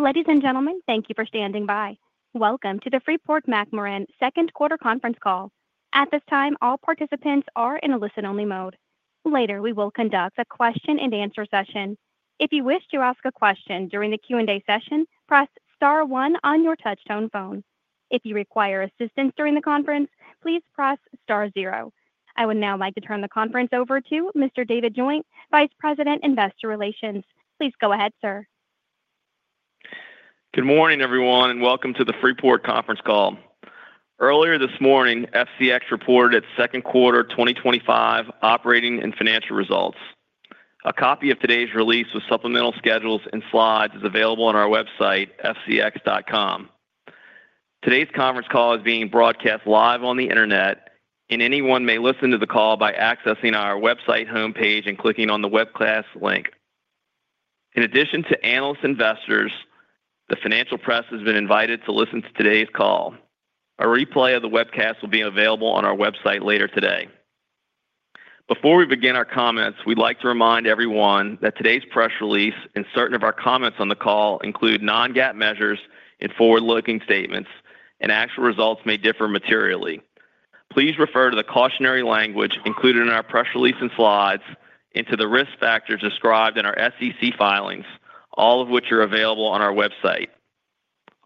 Ladies and gentlemen, thank you for standing by. Welcome to the Freeport-McMoRan second quarter conference call. At this time, all participants are in a listen-only mode. Later, we will conduct a question-and-answer session. If you wish to ask a question during the Q&A session, press star one on your touch-tone phone. If you require assistance during the conference, please press star zero. I would now like to turn the conference over to Mr. David Joint, Vice President, Investor Relations. Please go ahead, sir. Good morning, everyone, and welcome to the Freeport conference call. Earlier this morning, FCX reported its second quarter 2025 operating and financial results. A copy of today's release with supplemental schedules and slides is available on our website, fcx.com. Today's conference call is being broadcast live on the internet, and anyone may listen to the call by accessing our website homepage and clicking on the webcast link. In addition to analyst investors, the financial press has been invited to listen to today's call. A replay of the webcast will be available on our website later today. Before we begin our comments, we'd like to remind everyone that today's press release and certain of our comments on the call include non-GAAP measures and forward-looking statements, and actual results may differ materially. Please refer to the cautionary language included in our press release and slides and to the risk factors described in our SEC filings, all of which are available on our website.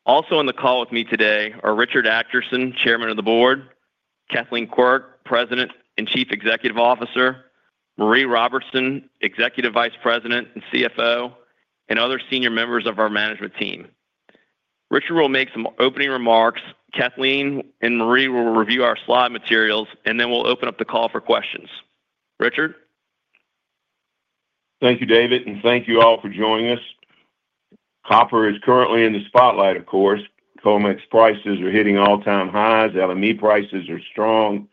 Also on the call with me today are Richard Adkerson, Chairman of the Board; Kathleen Quirk, President and Chief Executive Officer; Maree Robertson, Executive Vice President and CFO; and other senior members of our management team. Richard will make some opening remarks. Kathleen and Maree will review our slide materials, and then we'll open up the call for questions. Richard? Thank you, David, and thank you all for joining us. Copper is currently in the spotlight, of course. COMEX prices are hitting all-time highs. LME prices are strong.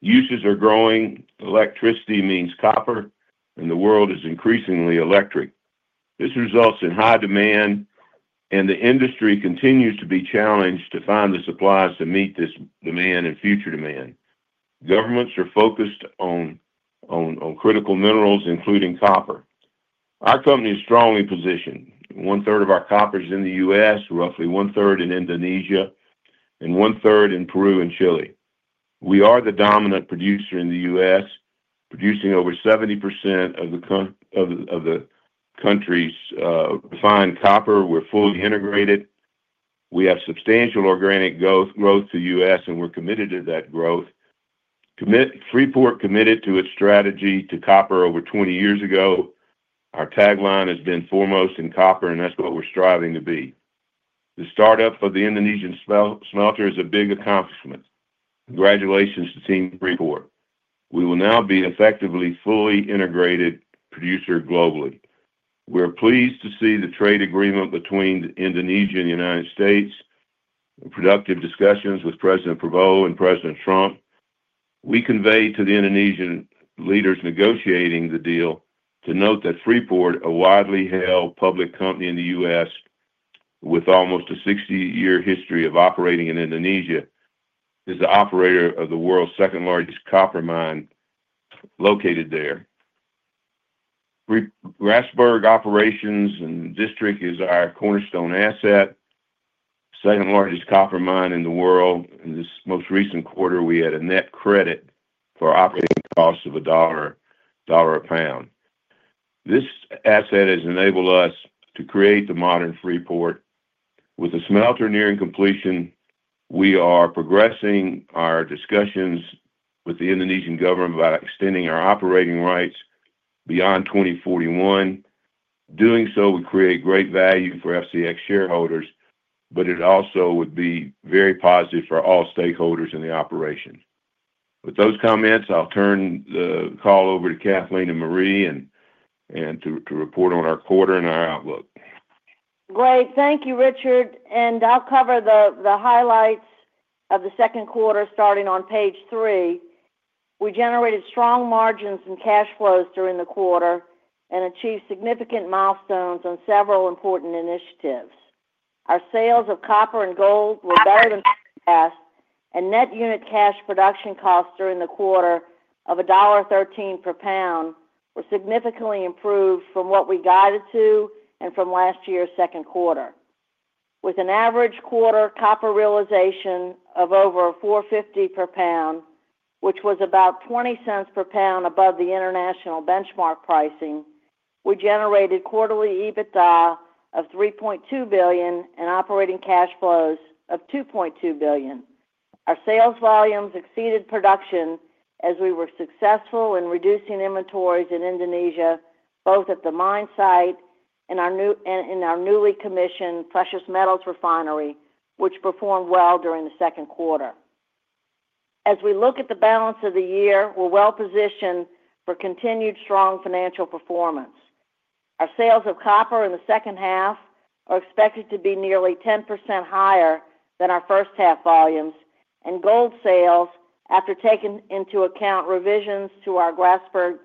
Uses are growing. Electricity means copper, and the world is increasingly electric. This results in high demand, and the industry continues to be challenged to find the supplies to meet this demand and future demand. Governments are focused on critical minerals, including copper. Our company is strongly positioned. One-third of our copper is in the U.S., roughly one-third in Indonesia, and one-third in Peru and Chile. We are the dominant producer in the U.S., producing over 70% of the country's refined copper. We're fully integrated. We have substantial organic growth to the U.S., and we're committed to that growth. Freeport committed to its strategy to copper over 20 years ago. Our tagline has been "Foremost in Copper," and that's what we're striving to be. The startup of the Indonesian smelter is a big accomplishment. Congratulations to team Freeport. We will now be effectively fully integrated producer globally. We're pleased to see the trade agreement between Indonesia and the United States, productive discussions with President Prabowo and President Trump. We convey to the Indonesian leaders negotiating the deal to note that Freeport, a widely held public company in the U.S. with almost a 60-year history of operating in Indonesia, is the operator of the world's second-largest copper mine located there. Grasberg Operations and District is our cornerstone asset. Second-largest copper mine in the world. In this most recent quarter, we had a net credit for operating costs of $1 a pound. This asset has enabled us to create the modern Freeport. With the smelter nearing completion, we are progressing our discussions with the Indonesian government about extending our operating rights beyond 2041. Doing so, we create great value for FCX shareholders, but it also would be very positive for all stakeholders in the operation. With those comments, I'll turn the call over to Kathleen and Maree to report on our quarter and our outlook. Great. Thank you, Richard. I'll cover the highlights of the second quarter starting on page three. We generated strong margins and cash flows during the quarter and achieved significant milestones on several important initiatives. Our sales of copper and gold were better than past, and net unit cash production costs during the quarter of $1.13 per pound were significantly improved from what we guided to and from last year's second quarter. With an average quarter copper realization of over $4.50 per pound, which was about $0.20 per pound above the international benchmark pricing, we generated quarterly EBITDA of $3.2 billion and operating cash flows of $2.2 billion. Our sales volumes exceeded production as we were successful in reducing inventories in Indonesia, both at the mine site and in our newly commissioned Precious Metals Refinery, which performed well during the second quarter. As we look at the balance of the year, we're well positioned for continued strong financial performance. Our sales of copper in the second half are expected to be nearly 10% higher than our first half volumes, and gold sales, after taking into account revisions to our Grasberg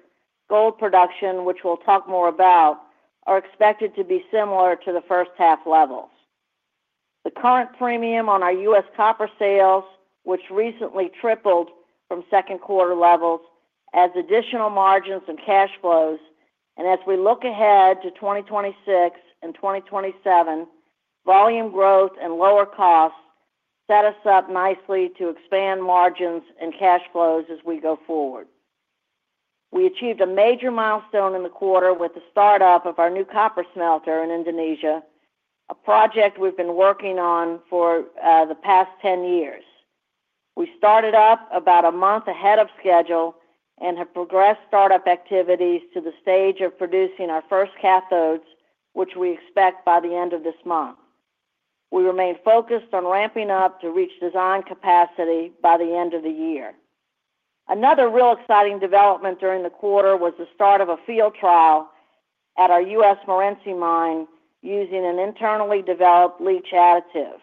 gold production, which we'll talk more about, are expected to be similar to the first half levels. The current premium on our U.S. copper sales, which recently tripled from second quarter levels, adds additional margins and cash flows. As we look ahead to 2026 and 2027, volume growth and lower costs set us up nicely to expand margins and cash flows as we go forward. We achieved a major milestone in the quarter with the startup of our new copper smelter in Indonesia, a project we've been working on for the past 10 years. We started up about a month ahead of schedule and have progressed startup activities to the stage of producing our first cathodes, which we expect by the end of this month. We remain focused on ramping up to reach design capacity by the end of the year. Another real exciting development during the quarter was the start of a field trial at our U.S. Morenci Mine using an internally developed leach additive.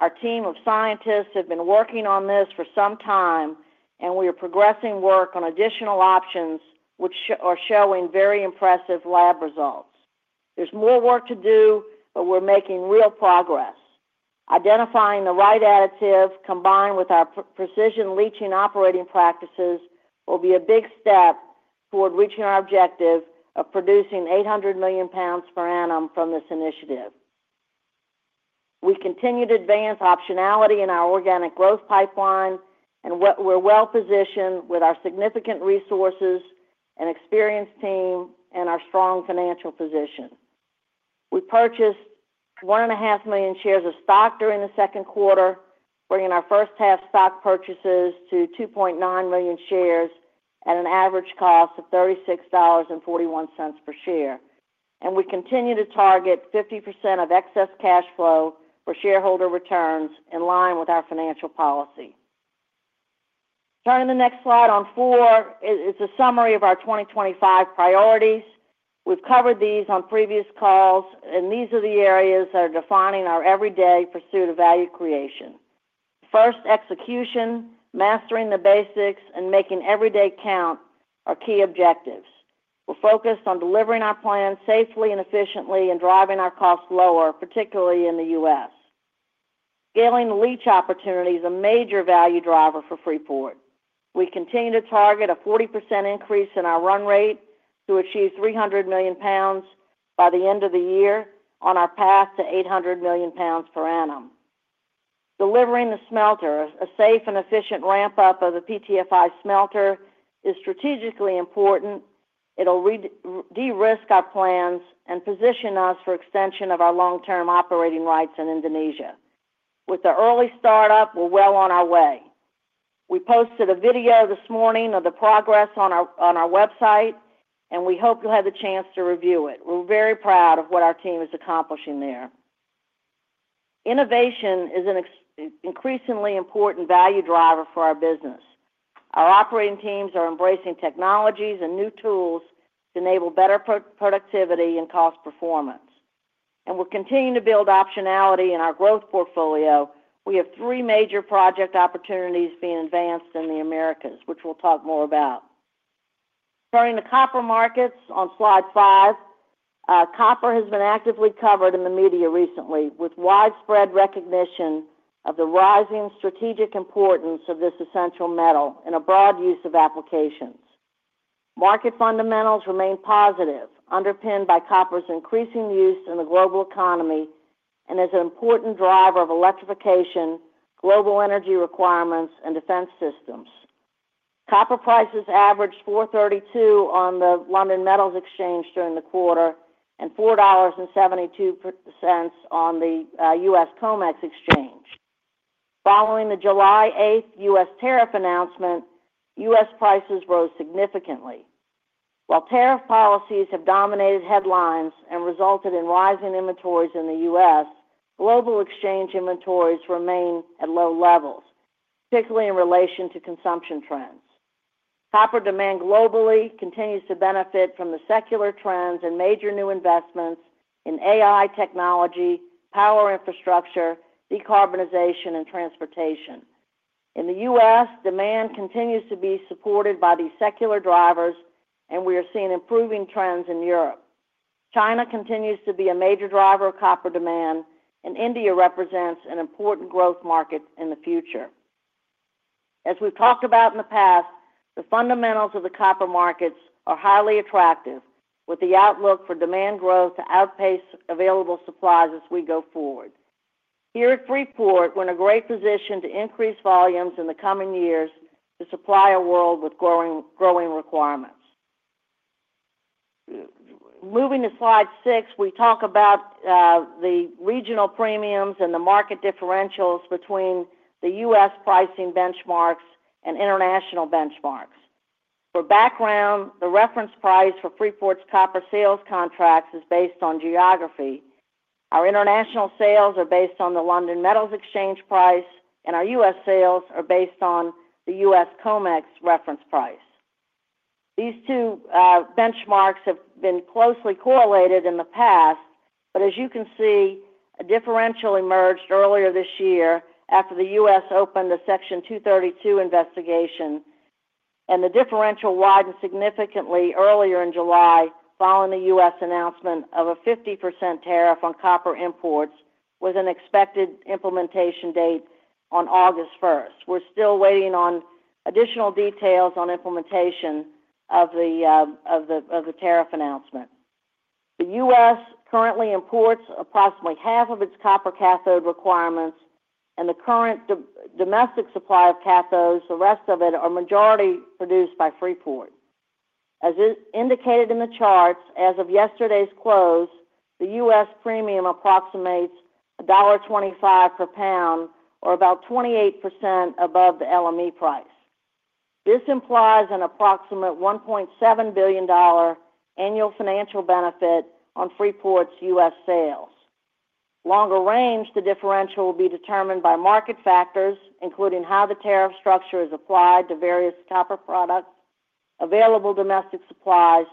Our team of scientists have been working on this for some time, and we are progressing work on additional options, which are showing very impressive lab results. There's more work to do, but we're making real progress. Identifying the right additive, combined with our precision leaching operating practices, will be a big step toward reaching our objective of producing 800 million pounds per annum from this initiative. We continue to advance optionality in our organic growth pipeline, and we're well positioned with our significant resources and experienced team and our strong financial position. We purchased 1.5 million shares of stock during the second quarter, bringing our first half stock purchases to 2.9 million shares at an average cost of $36.41 per share. We continue to target 50% of excess cash flow for shareholder returns in line with our financial policy. Turning to the next slide, slide four, it is a summary of our 2025 priorities. We have covered these on previous calls, and these are the areas that are defining our everyday pursuit of value creation. First, execution, mastering the basics, and making every day count are key objectives. We are focused on delivering our plans safely and efficiently and driving our costs lower, particularly in the U.S. Scaling leach opportunity is a major value driver for Freeport. We continue to target a 40% increase in our run rate to achieve 300 million pounds by the end of the year on our path to 800 million pounds per annum. Delivering the smelter, a safe and efficient ramp-up of the PTFI smelter, is strategically important. It will de-risk our plans and position us for extension of our long-term operating rights in Indonesia. With the early startup, we are well on our way. We posted a video this morning of the progress on our website, and we hope you will have the chance to review it. We are very proud of what our team is accomplishing there. Innovation is an increasingly important value driver for our business. Our operating teams are embracing technologies and new tools to enable better productivity and cost performance. We will continue to build optionality in our growth portfolio. We have three major project opportunities being advanced in the Americas, which we will talk more about. Turning to copper markets on slide five, copper has been actively covered in the media recently, with widespread recognition of the rising strategic importance of this essential metal and a broad use of applications. Market fundamentals remain positive, underpinned by copper's increasing use in the global economy and as an important driver of electrification, global energy requirements, and defense systems. Copper prices averaged $4.32 on the London Metals Exchange during the quarter and $4.72 on the U.S. COMEX Exchange. Following the July 8th U.S. tariff announcement, U.S. prices rose significantly. While tariff policies have dominated headlines and resulted in rising inventories in the U.S., global exchange inventories remain at low levels, particularly in relation to consumption trends. Copper demand globally continues to benefit from the secular trends and major new investments in AI technology, power infrastructure, decarbonization, and transportation. In the U.S., demand continues to be supported by the secular drivers, and we are seeing improving trends in Europe. China continues to be a major driver of copper demand, and India represents an important growth market in the future. As we have talked about in the past, the fundamentals of the copper markets are highly attractive, with the outlook for demand growth to outpace available supplies as we go forward. Here at Freeport, we are in a great position to increase volumes in the coming years to supply a world with growing requirements. Moving to slide six, we talk about the regional premiums and the market differentials between the U.S. pricing benchmarks and international benchmarks. For background, the reference price for Freeport's copper sales contracts is based on geography. Our international sales are based on the London Metals Exchange price, and our U.S. sales are based on the U.S. COMEX reference price. These two benchmarks have been closely correlated in the past, but as you can see, a differential emerged earlier this year after the U.S. opened a Section 232 investigation, and the differential widened significantly earlier in July following the U.S. announcement of a 50% tariff on copper imports with an expected implementation date on August 1st. We're still waiting on additional details on implementation of the tariff announcement. The U.S. currently imports approximately half of its copper cathode requirements, and the current domestic supply of cathodes, the rest of it, are majority produced by Freeport. As indicated in the charts, as of yesterday's close, the U.S. premium approximates $1.25 per pound, or about 28% above the LME price. This implies an approximate $1.7 billion annual financial benefit on Freeport's U.S. sales. Longer range, the differential will be determined by market factors, including how the tariff structure is applied to various copper products, available domestic supplies,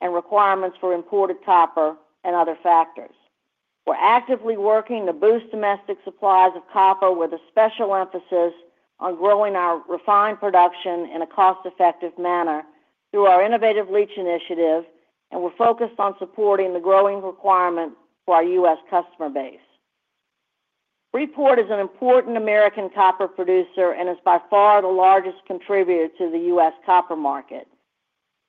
and requirements for imported copper and other factors. We're actively working to boost domestic supplies of copper with a special emphasis on growing our refined production in a cost-effective manner through our innovative leach initiative, and we're focused on supporting the growing requirement for our U.S. customer base. Freeport is an important American copper producer and is by far the largest contributor to the U.S. copper market,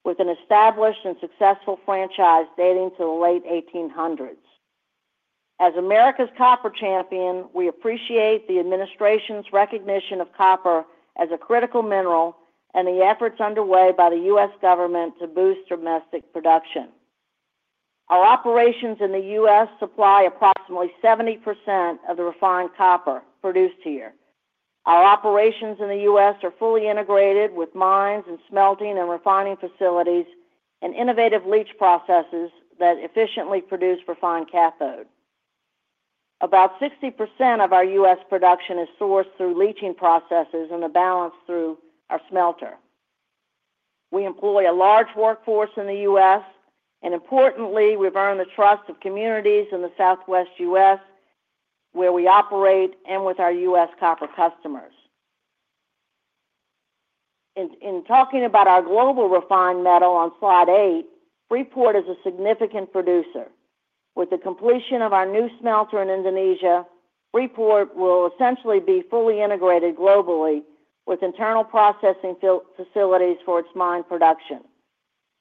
with an established and successful franchise dating to the late 1800s. As America's copper champion, we appreciate the administration's recognition of copper as a critical mineral and the efforts underway by the U.S. government to boost domestic production. Our operations in the U.S. supply approximately 70% of the refined copper produced here. Our operations in the U.S. are fully integrated with mines and smelting and refining facilities and innovative leach processes that efficiently produce refined cathode. About 60% of our U.S. production is sourced through leaching processes and the balance through our smelter. We employ a large workforce in the U.S., and importantly, we've earned the trust of communities in the Southwest U.S. where we operate and with our U.S. copper customers. In talking about our global refined metal on slide eight, Freeport is a significant producer. With the completion of our new smelter in Indonesia, Freeport will essentially be fully integrated globally with internal processing facilities for its mine production.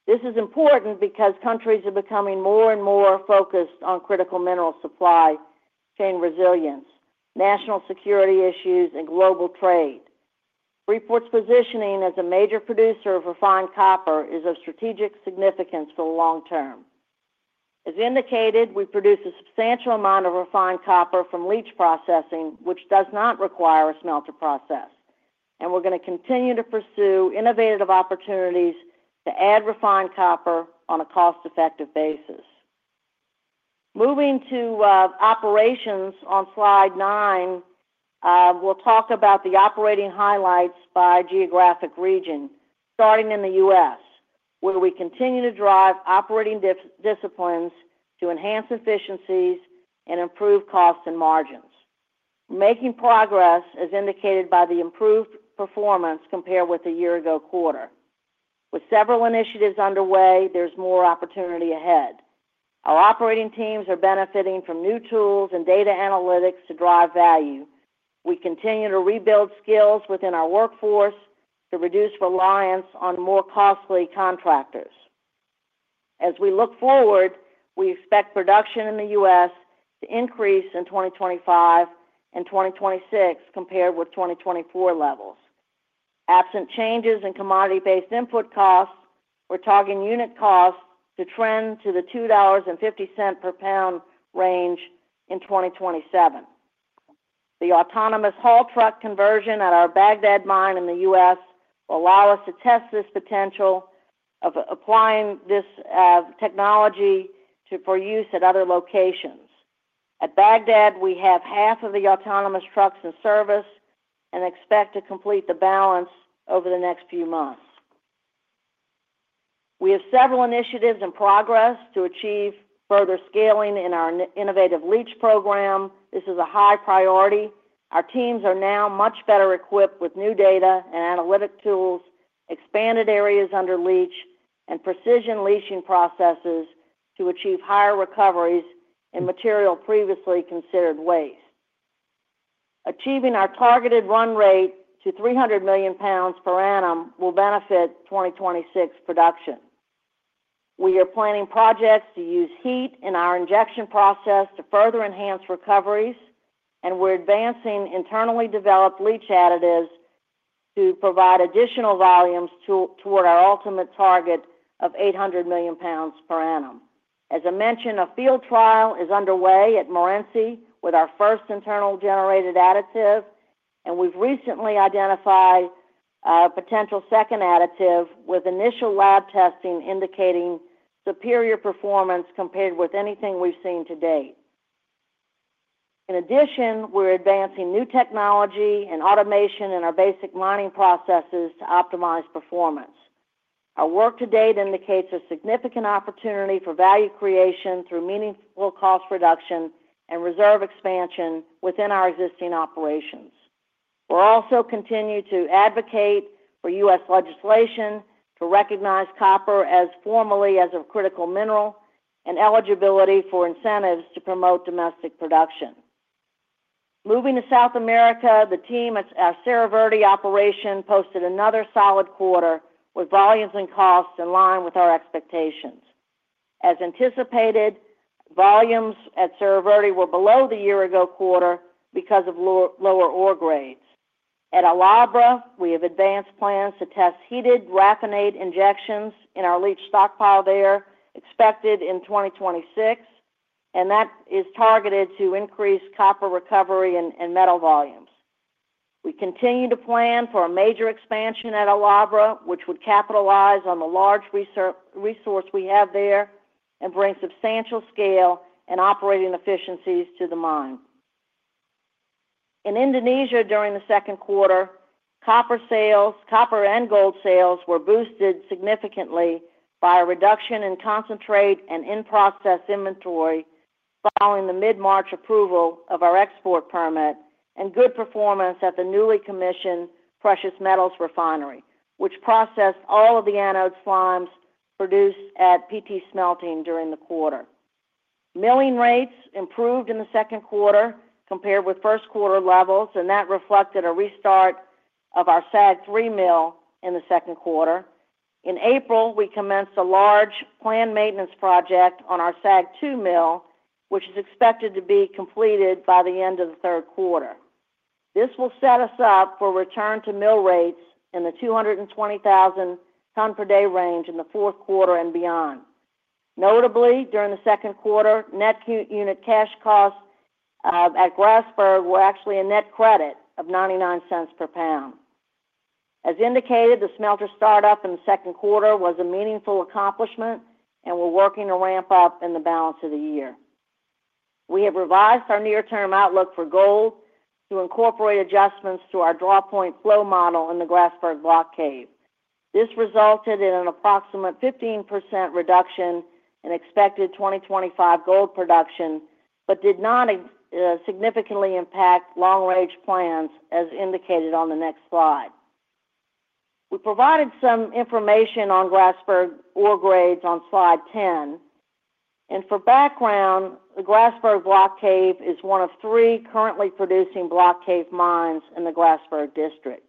This is important because countries are becoming more and more focused on critical mineral supply chain resilience, national security issues, and global trade. Freeport's positioning as a major producer of refined copper is of strategic significance for the long term. As indicated, we produce a substantial amount of refined copper from leach processing, which does not require a smelter process. And we're going to continue to pursue innovative opportunities to add refined copper on a cost-effective basis. Moving to operations on slide nine, we'll talk about the operating highlights by geographic region, starting in the U.S., where we continue to drive operating disciplines to enhance efficiencies and improve costs and margins. Making progress, as indicated by the improved performance compared with the year-ago quarter. With several initiatives underway, there's more opportunity ahead. Our operating teams are benefiting from new tools and data analytics to drive value. We continue to rebuild skills within our workforce to reduce reliance on more costly contractors. As we look forward, we expect production in the U.S. to increase in 2025 and 2026 compared with 2024 levels. Absent changes in commodity-based input costs, we're talking unit costs to trend to the $2.50 per pound range in 2027. The autonomous haul truck conversion at our Baghdad Mine in the U.S. will allow us to test this potential of applying this technology for use at other locations. At Baghdad, we have half of the autonomous trucks in service and expect to complete the balance over the next few months. We have several initiatives in progress to achieve further scaling in our innovative leach program. This is a high priority. Our teams are now much better equipped with new data and analytic tools, expanded areas under leach, and precision leaching processes to achieve higher recoveries in material previously considered waste. Achieving our targeted run rate to 300 million pounds per annum will benefit 2026 production. We are planning projects to use heat in our injection process to further enhance recoveries, and we're advancing internally developed leach additives to provide additional volumes toward our ultimate target of 800 million pounds per annum. As I mentioned, a field trial is underway at Morenci with our first internal-generated additive, and we've recently identified a potential second additive with initial lab testing indicating superior performance compared with anything we've seen to date. In addition, we're advancing new technology and automation in our basic mining processes to optimize performance. Our work to date indicates a significant opportunity for value creation through meaningful cost reduction and reserve expansion within our existing operations. We'll also continue to advocate for U.S. legislation to recognize copper as formally as a critical mineral and eligibility for incentives to promote domestic production. Moving to South America, the team at our Cerro Verde operation posted another solid quarter with volumes and costs in line with our expectations. As anticipated, volumes at Cerro Verde were below the year-ago quarter because of lower ore grades. At Al Abra, we have advanced plans to test heated graphene injections in our leach stockpile there expected in 2026, and that is targeted to increase copper recovery and metal volumes. We continue to plan for a major expansion at Al Abra, which would capitalize on the large resource we have there and bring substantial scale and operating efficiencies to the mine. In Indonesia, during the second quarter, copper sales and gold sales were boosted significantly by a reduction in concentrate and in-process inventory following the mid-March approval of our export permit and good performance at the newly commissioned Precious Metals Refinery, which processed all of the anode slimes produced at PT Smelting during the quarter. Milling rates improved in the second quarter compared with first quarter levels, and that reflected a restart of our SAG-3 mill in the second quarter. In April, we commenced a large planned maintenance project on our SAG-2 mill, which is expected to be completed by the end of the third quarter. This will set us up for return to mill rates in the 220,000 ton-per-day range in the fourth quarter and beyond. Notably, during the second quarter, net unit cash costs at Grasberg were actually a net credit of $0.99 per pound. As indicated, the smelter startup in the second quarter was a meaningful accomplishment, and we're working to ramp up in the balance of the year. We have revised our near-term outlook for gold to incorporate adjustments to our draw point flow model in the Grasberg Block Cave. This resulted in an approximate 15% reduction in expected 2025 gold production, but did not significantly impact long-range plans, as indicated on the next slide. We provided some information on Grasberg ore grades on slide 10. For background, the Grasberg Block Cave is one of three currently producing block cave mines in the Grasberg District.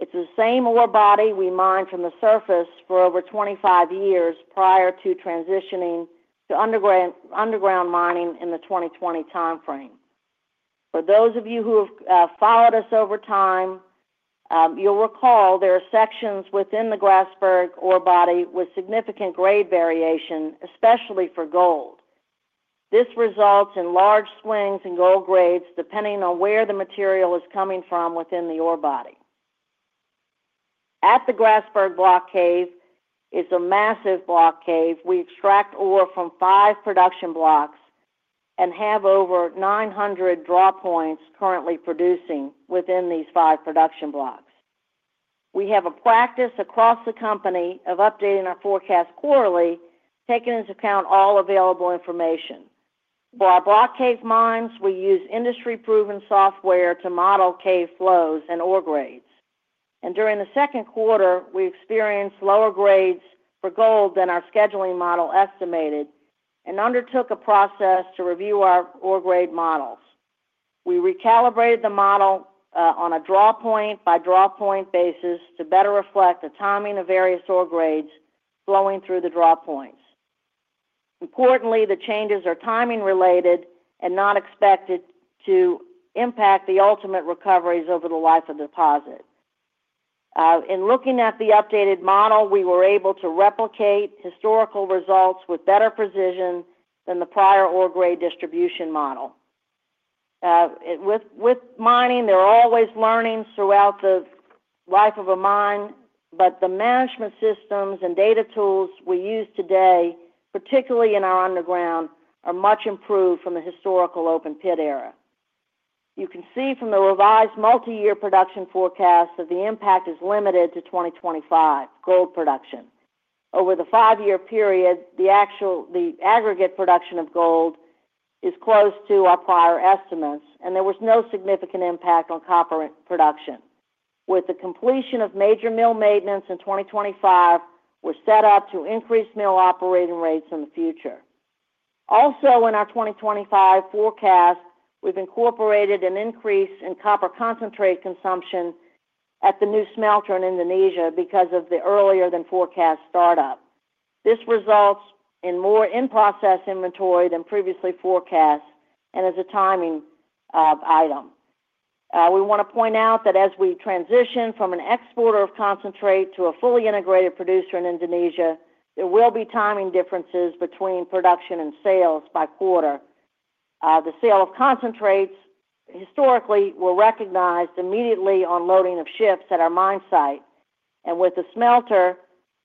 It's the same ore body we mined from the surface for over 25 years prior to transitioning to underground mining in the 2020 timeframe. For those of you who have followed us over time, you'll recall there are sections within the Grasberg ore body with significant grade variation, especially for gold. This results in large swings in gold grades depending on where the material is coming from within the ore body. The Grasberg Block Cave is a massive block cave. We extract ore from five production blocks and have over 900 draw points currently producing within these five production blocks. We have a practice across the company of updating our forecast quarterly, taking into account all available information. For our block cave mines, we use industry-proven software to model cave flows and ore grades. During the second quarter, we experienced lower grades for gold than our scheduling model estimated and undertook a process to review our ore grade models. We recalibrated the model on a draw point by draw point basis to better reflect the timing of various ore grades flowing through the draw points. Importantly, the changes are timing-related and not expected to impact the ultimate recoveries over the life of the deposit. In looking at the updated model, we were able to replicate historical results with better precision than the prior ore grade distribution model. With mining, there are always learnings throughout the life of a mine, but the management systems and data tools we use today, particularly in our underground, are much improved from the historical open pit era. You can see from the revised multi-year production forecast that the impact is limited to 2025 gold production. Over the five-year period, the aggregate production of gold is close to our prior estimates, and there was no significant impact on copper production. With the completion of major mill maintenance in 2025, we're set up to increase mill operating rates in the future. Also, in our 2025 forecast, we've incorporated an increase in copper concentrate consumption at the new smelter in Indonesia because of the earlier-than-forecast startup. This results in more in-process inventory than previously forecast and is a timing item. We want to point out that as we transition from an exporter of concentrate to a fully integrated producer in Indonesia, there will be timing differences between production and sales by quarter. The sale of concentrates historically were recognized immediately on loading of ships at our mine site, and with the smelter,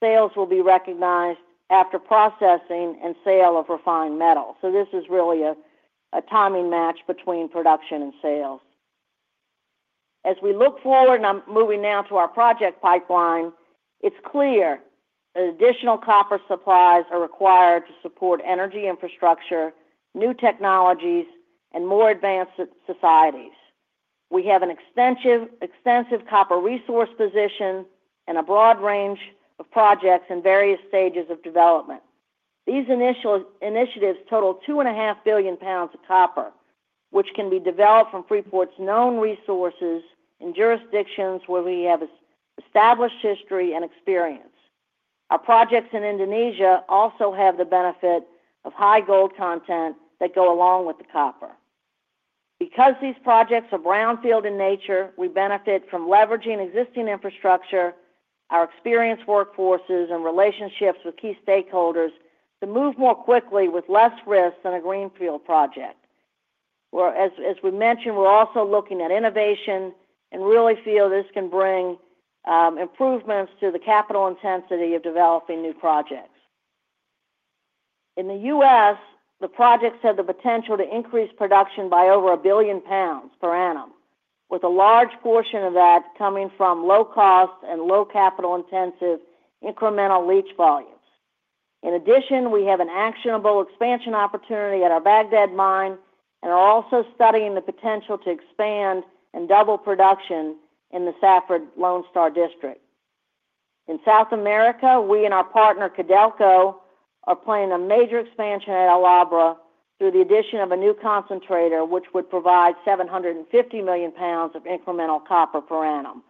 sales will be recognized after processing and sale of refined metal. This is really a timing match between production and sales. As we look forward, and I'm moving now to our project pipeline, it's clear that additional copper supplies are required to support energy infrastructure, new technologies, and more advanced societies. We have an extensive copper resource position and a broad range of projects in various stages of development. These initiatives total 2.5 billion pounds of copper, which can be developed from Freeport's known resources in jurisdictions where we have established history and experience. Our projects in Indonesia also have the benefit of high gold content that goes along with the copper. Because these projects are brownfield in nature, we benefit from leveraging existing infrastructure, our experienced workforces, and relationships with key stakeholders to move more quickly with less risk than a greenfield project. As we mentioned, we're also looking at innovation and really feel this can bring improvements to the capital intensity of developing new projects. In the U.S., the projects have the potential to increase production by over a billion pounds per annum, with a large portion of that coming from low-cost and low-capital-intensive incremental leach volumes. In addition, we have an actionable expansion opportunity at our Baghdad Mine and are also studying the potential to expand and double production in the Safford-Lone Star District. In South America, we and our partner, Codelco, are planning a major expansion at Al Abra through the addition of a new concentrator, which would provide 750 million pounds of incremental copper per annum.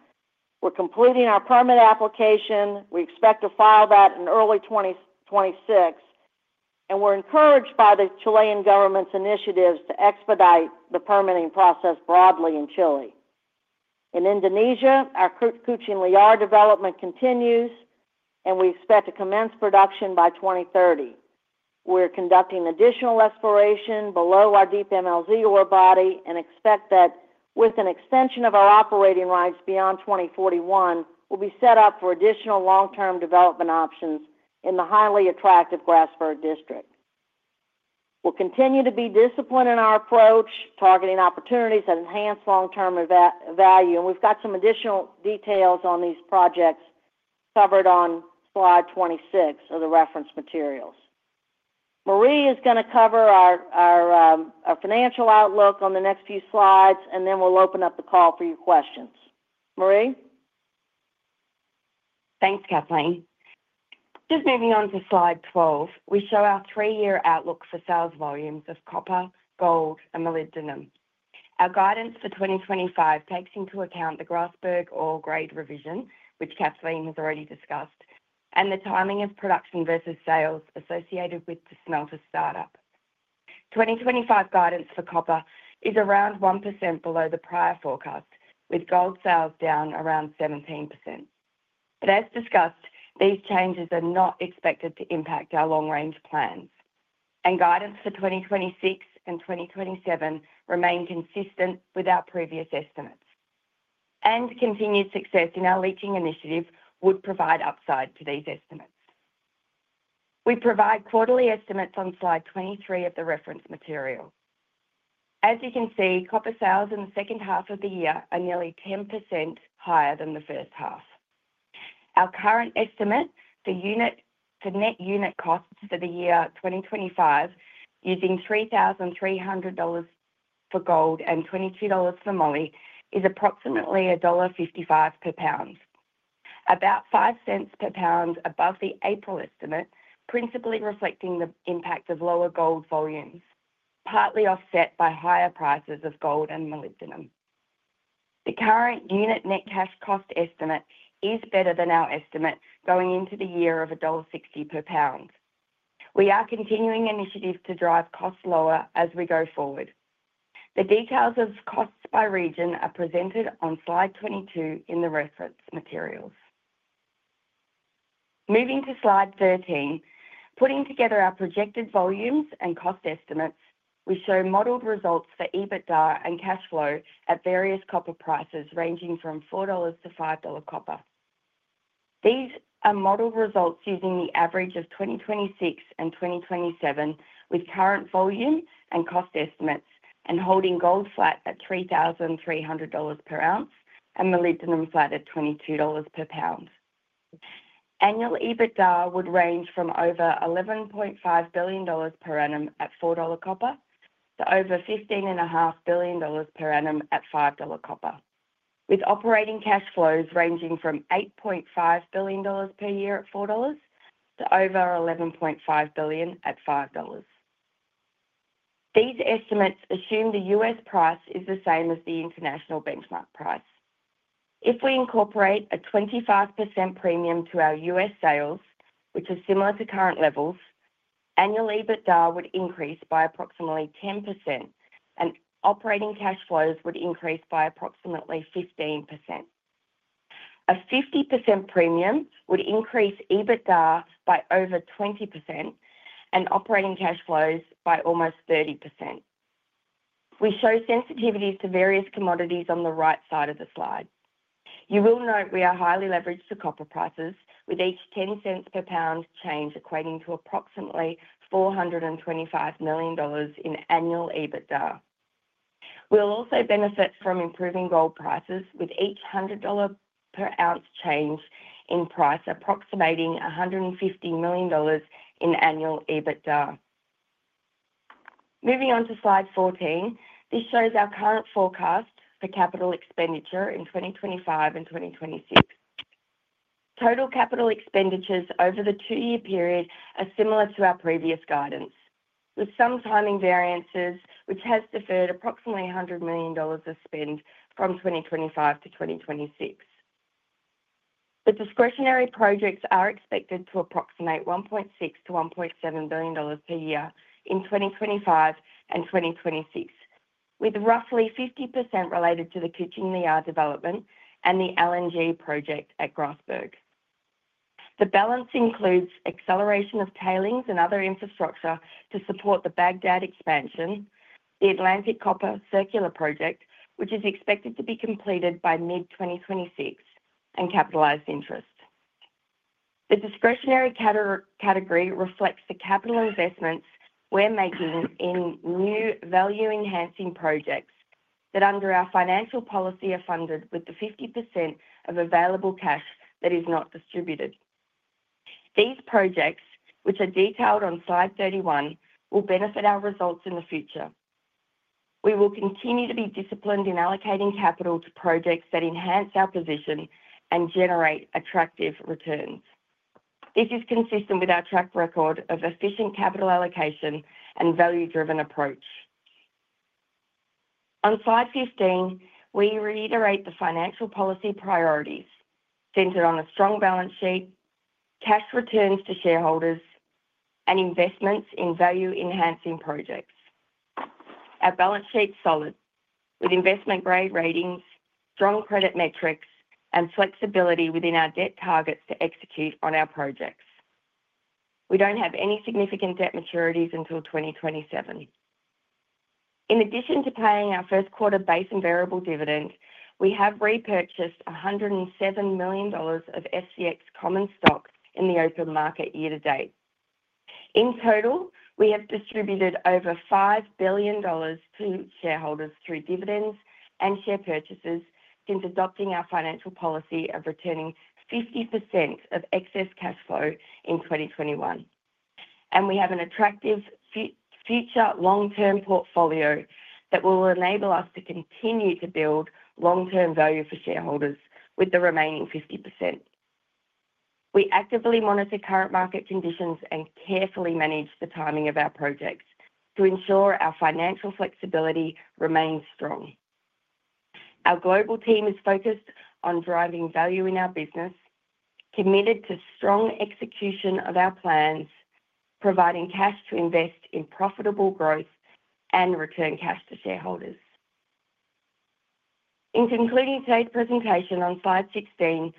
We're completing our permit application. We expect to file that in early 2026. We are encouraged by the Chilean government's initiatives to expedite the permitting process broadly in Chile. In Indonesia, our Kuching Liar development continues, and we expect to commence production by 2030. We're conducting additional exploration below our deep MLZ ore body and expect that with an extension of our operating rights beyond 2041, we'll be set up for additional long-term development options in the highly attractive Grasberg District. We'll continue to be disciplined in our approach, targeting opportunities that enhance long-term value. We have some additional details on these projects covered on slide 26 of the reference materials. Maree is going to cover our financial outlook on the next few slides, and then we'll open up the call for your questions. Maree? Thanks, Kathleen. Just moving on to slide 12, we show our three-year outlook for sales volumes of copper, gold, and molybdenum. Our guidance for 2025 takes into account the Grasberg ore grade revision, which Kathleen has already discussed, and the timing of production versus sales associated with the smelter startup. 2025 guidance for copper is around 1% below the prior forecast, with gold sales down around 17%. These changes are not expected to impact our long-range plans, and guidance for 2026 and 2027 remain consistent with our previous estimates. Continued success in our leaching initiative would provide upside to these estimates. We provide quarterly estimates on slide 23 of the reference material. As you can see, copper sales in the second half of the year are nearly 10% higher than the first half. Our current estimate, the net unit cost for the year 2025, using $3,300 for gold and $22 for moly, is approximately $1.55 per pound, about 5 cents per pound above the April estimate, principally reflecting the impact of lower gold volumes, partly offset by higher prices of gold and molybdenum. The current unit net cash cost estimate is better than our estimate going into the year of $1.60 per pound. We are continuing initiatives to drive costs lower as we go forward. The details of costs by region are presented on slide 22 in the reference materials. Moving to slide 13, putting together our projected volumes and cost estimates, we show modeled results for EBITDA and cash flow at various copper prices ranging from $4-$5 copper. These are modeled results using the average of 2026 and 2027 with current volume and cost estimates and holding gold flat at $3,300 per ounce and molybdenum flat at $22 per pound. Annual EBITDA would range from over $11.5 billion per annum at $4 copper to over $15.5 billion per annum at $5 copper, with operating cash flows ranging from $8.5 billion per year at $4 to over $11.5 billion at $5. These estimates assume the US price is the same as the international benchmark price. If we incorporate a 25% premium to our US sales, which is similar to current levels, annual EBITDA would increase by approximately 10%, and operating cash flows would increase by approximately 15%. A 50% premium would increase EBITDA by over 20% and operating cash flows by almost 30%. We show sensitivities to various commodities on the right side of the slide. You will note we are highly leveraged to copper prices, with each $0.10 per pound change equating to approximately $425 million in annual EBITDA. We'll also benefit from improving gold prices, with each $100 per ounce change in price approximating $150 million in annual EBITDA. Moving on to slide 14, this shows our current forecast for capital expenditure in 2025 and 2026. Total capital expenditures over the two-year period are similar to our previous guidance, with some timing variances, which has deferred approximately $100 million of spend from 2025 to 2026. The discretionary projects are expected to approximate $1.6 billion-$1.7 billion per year in 2025 and 2026, with roughly 50% related to the Kuching Liar development and the LNG project at Grasberg. The balance includes acceleration of tailings and other infrastructure to support the Baghdad expansion, the Atlantic Copper Circular Project, which is expected to be completed by mid-2026, and capitalized interest. The discretionary category reflects the capital investments we're making in new value-enhancing projects that, under our financial policy, are funded with the 50% of available cash that is not distributed. These projects, which are detailed on slide 31, will benefit our results in the future. We will continue to be disciplined in allocating capital to projects that enhance our position and generate attractive returns. This is consistent with our track record of efficient capital allocation and value-driven approach. On slide 15, we reiterate the financial policy priorities centered on a strong balance sheet, cash returns to shareholders, and investments in value-enhancing projects. Our balance sheet is solid, with investment-grade ratings, strong credit metrics, and flexibility within our debt targets to execute on our projects. We don't have any significant debt maturities until 2027. In addition to paying our first-quarter base and variable dividend, we have repurchased $107 million of FCX common stock in the open market year to date. In total, we have distributed over $5 billion to shareholders through dividends and share purchases since adopting our financial policy of returning 50% of excess cash flow in 2021. We have an attractive future long-term portfolio that will enable us to continue to build long-term value for shareholders with the remaining 50%. We actively monitor current market conditions and carefully manage the timing of our projects to ensure our financial flexibility remains strong. Our global team is focused on driving value in our business. Committed to strong execution of our plans, providing cash to invest in profitable growth and return cash to shareholders. In concluding today's presentation on slide 16,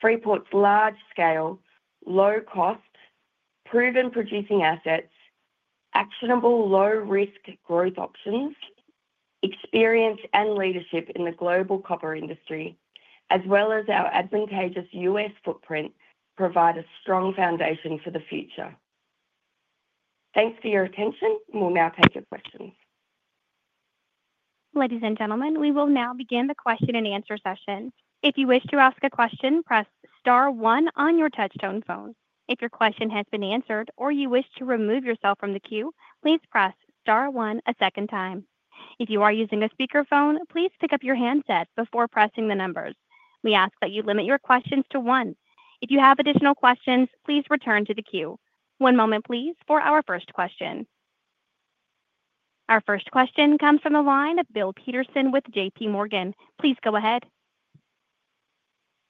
Freeport's large-scale, low-cost, proven producing assets, actionable low-risk growth options, experience and leadership in the global copper industry, as well as our advantageous US footprint, provide a strong foundation for the future. Thanks for your attention, and we'll now take your questions. Ladies and gentlemen, we will now begin the question and answer session. If you wish to ask a question, press Star 1 on your touchtone phone. If your question has been answered or you wish to remove yourself from the queue, please press Star 1 a second time. If you are using a speakerphone, please pick up your handset before pressing the numbers. We ask that you limit your questions to one. If you have additional questions, please return to the queue. One moment, please, for our first question. Our first question comes from the line of Bill Peterson with JPMorgan. Please go ahead.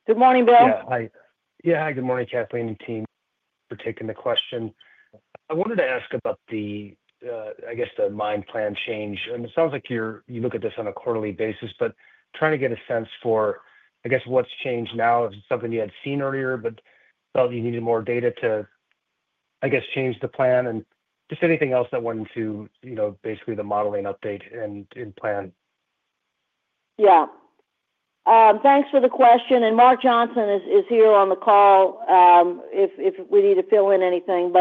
Good morning, Bill. Yeah. Hi. Yeah. Hi. Good morning, Kathleen and team, for taking the question. I wanted to ask about the, I guess, the mine plan change. It sounds like you look at this on a quarterly basis, but trying to get a sense for, I guess, what has changed now. Is it something you had seen earlier, but felt you needed more data to, I guess, change the plan, and just anything else that went into, basically, the modeling update and plan? Yeah. Thanks for the question. Mark Johnson is here on the call if we need to fill in anything.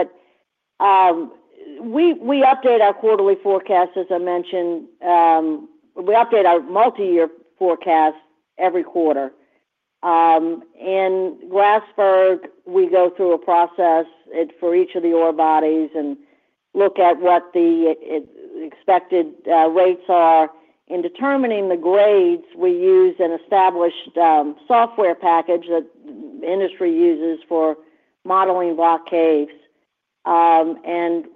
We update our quarterly forecast, as I mentioned. We update our multi-year forecast every quarter. In Grasberg, we go through a process for each of the ore bodies and look at what the expected rates are. In determining the grades, we use an established software package that the industry uses for modeling block caves.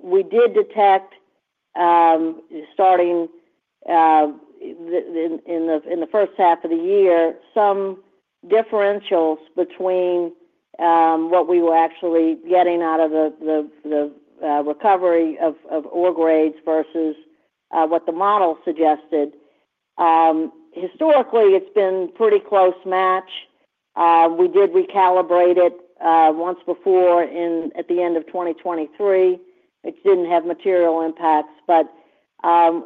We did detect, starting in the first half of the year, some differentials between what we were actually getting out of the recovery of ore grades versus what the model suggested. Historically, it has been a pretty close match. We did recalibrate it once before at the end of 2023. It did not have material impacts.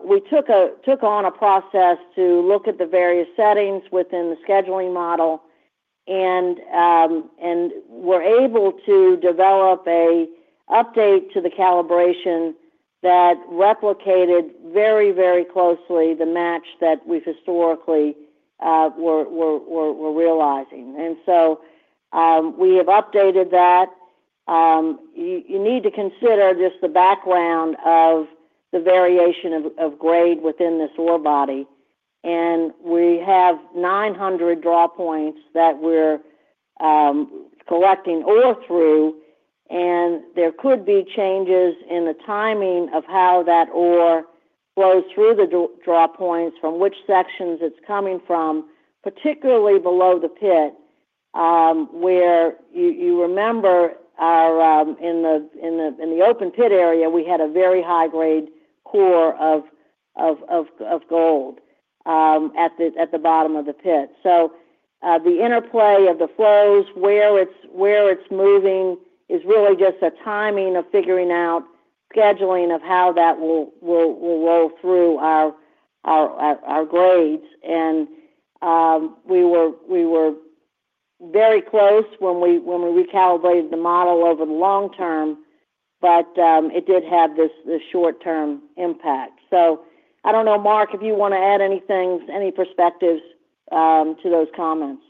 We took on a process to look at the various settings within the scheduling model and were able to develop an update to the calibration that replicated very, very closely the match that we historically were realizing. We have updated that. You need to consider just the background of the variation of grade within this ore body. We have 900 draw points that we are collecting ore through, and there could be changes in the timing of how that ore flows through the draw points, from which sections it is coming from, particularly below the pit. Where you remember, in the open pit area, we had a very high-grade core of gold at the bottom of the pit. The interplay of the flows, where it is moving, is really just a timing of figuring out scheduling of how that will roll through our grades. We were very close when we recalibrated the model over the long term, but it did have the short-term impact. I do not know, Mark, if you want to add anything, any perspectives to those comments.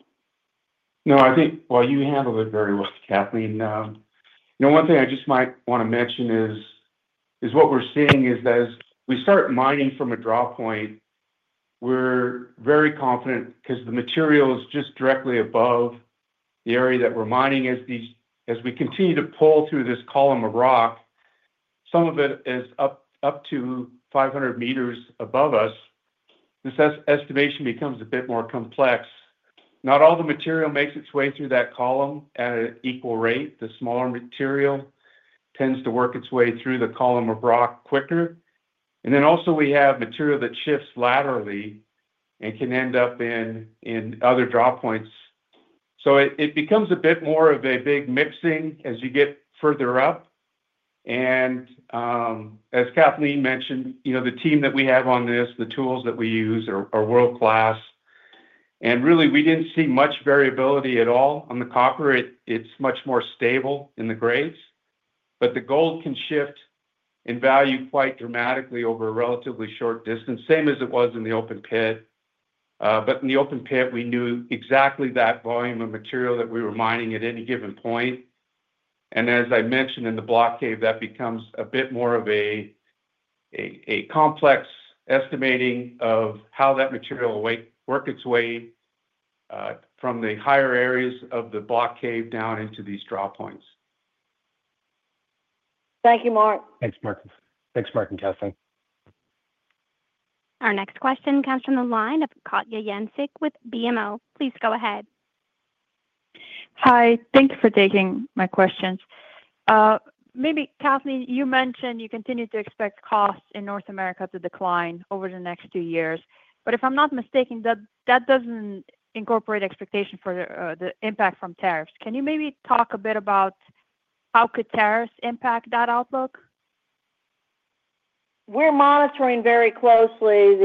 No, I think you handled it very well, Kathleen. One thing I just might want to mention is what we're seeing is that as we start mining from a draw point, we're very confident because the material is just directly above the area that we're mining. As we continue to pull through this column of rock, some of it is up to 500 meters above us. This estimation becomes a bit more complex. Not all the material makes its way through that column at an equal rate. The smaller material tends to work its way through the column of rock quicker, and then also, we have material that shifts laterally and can end up in other draw points. It becomes a bit more of a big mixing as you get further up. As Kathleen mentioned, the team that we have on this, the tools that we use are world-class. Really, we didn't see much variability at all on the copper. It's much more stable in the grades, but the gold can shift in value quite dramatically over a relatively short distance, same as it was in the open pit. In the open pit, we knew exactly that volume of material that we were mining at any given point. As I mentioned, in the block cave, that becomes a bit more of a complex estimating of how that material will work its way from the higher areas of the block cave down into these draw points. Thank you, Mark. Thanks, Mark. Thanks, Mark and Kathleen. Our next question comes from the line of Katja Jancic with BMO. Please go ahead. Hi. Thank you for taking my questions. Maybe, Kathleen, you mentioned you continue to expect costs in North America to decline over the next two years. If I'm not mistaken, that doesn't incorporate expectation for the impact from tariffs. Can you maybe talk a bit about how could tariffs impact that outlook? We're monitoring very closely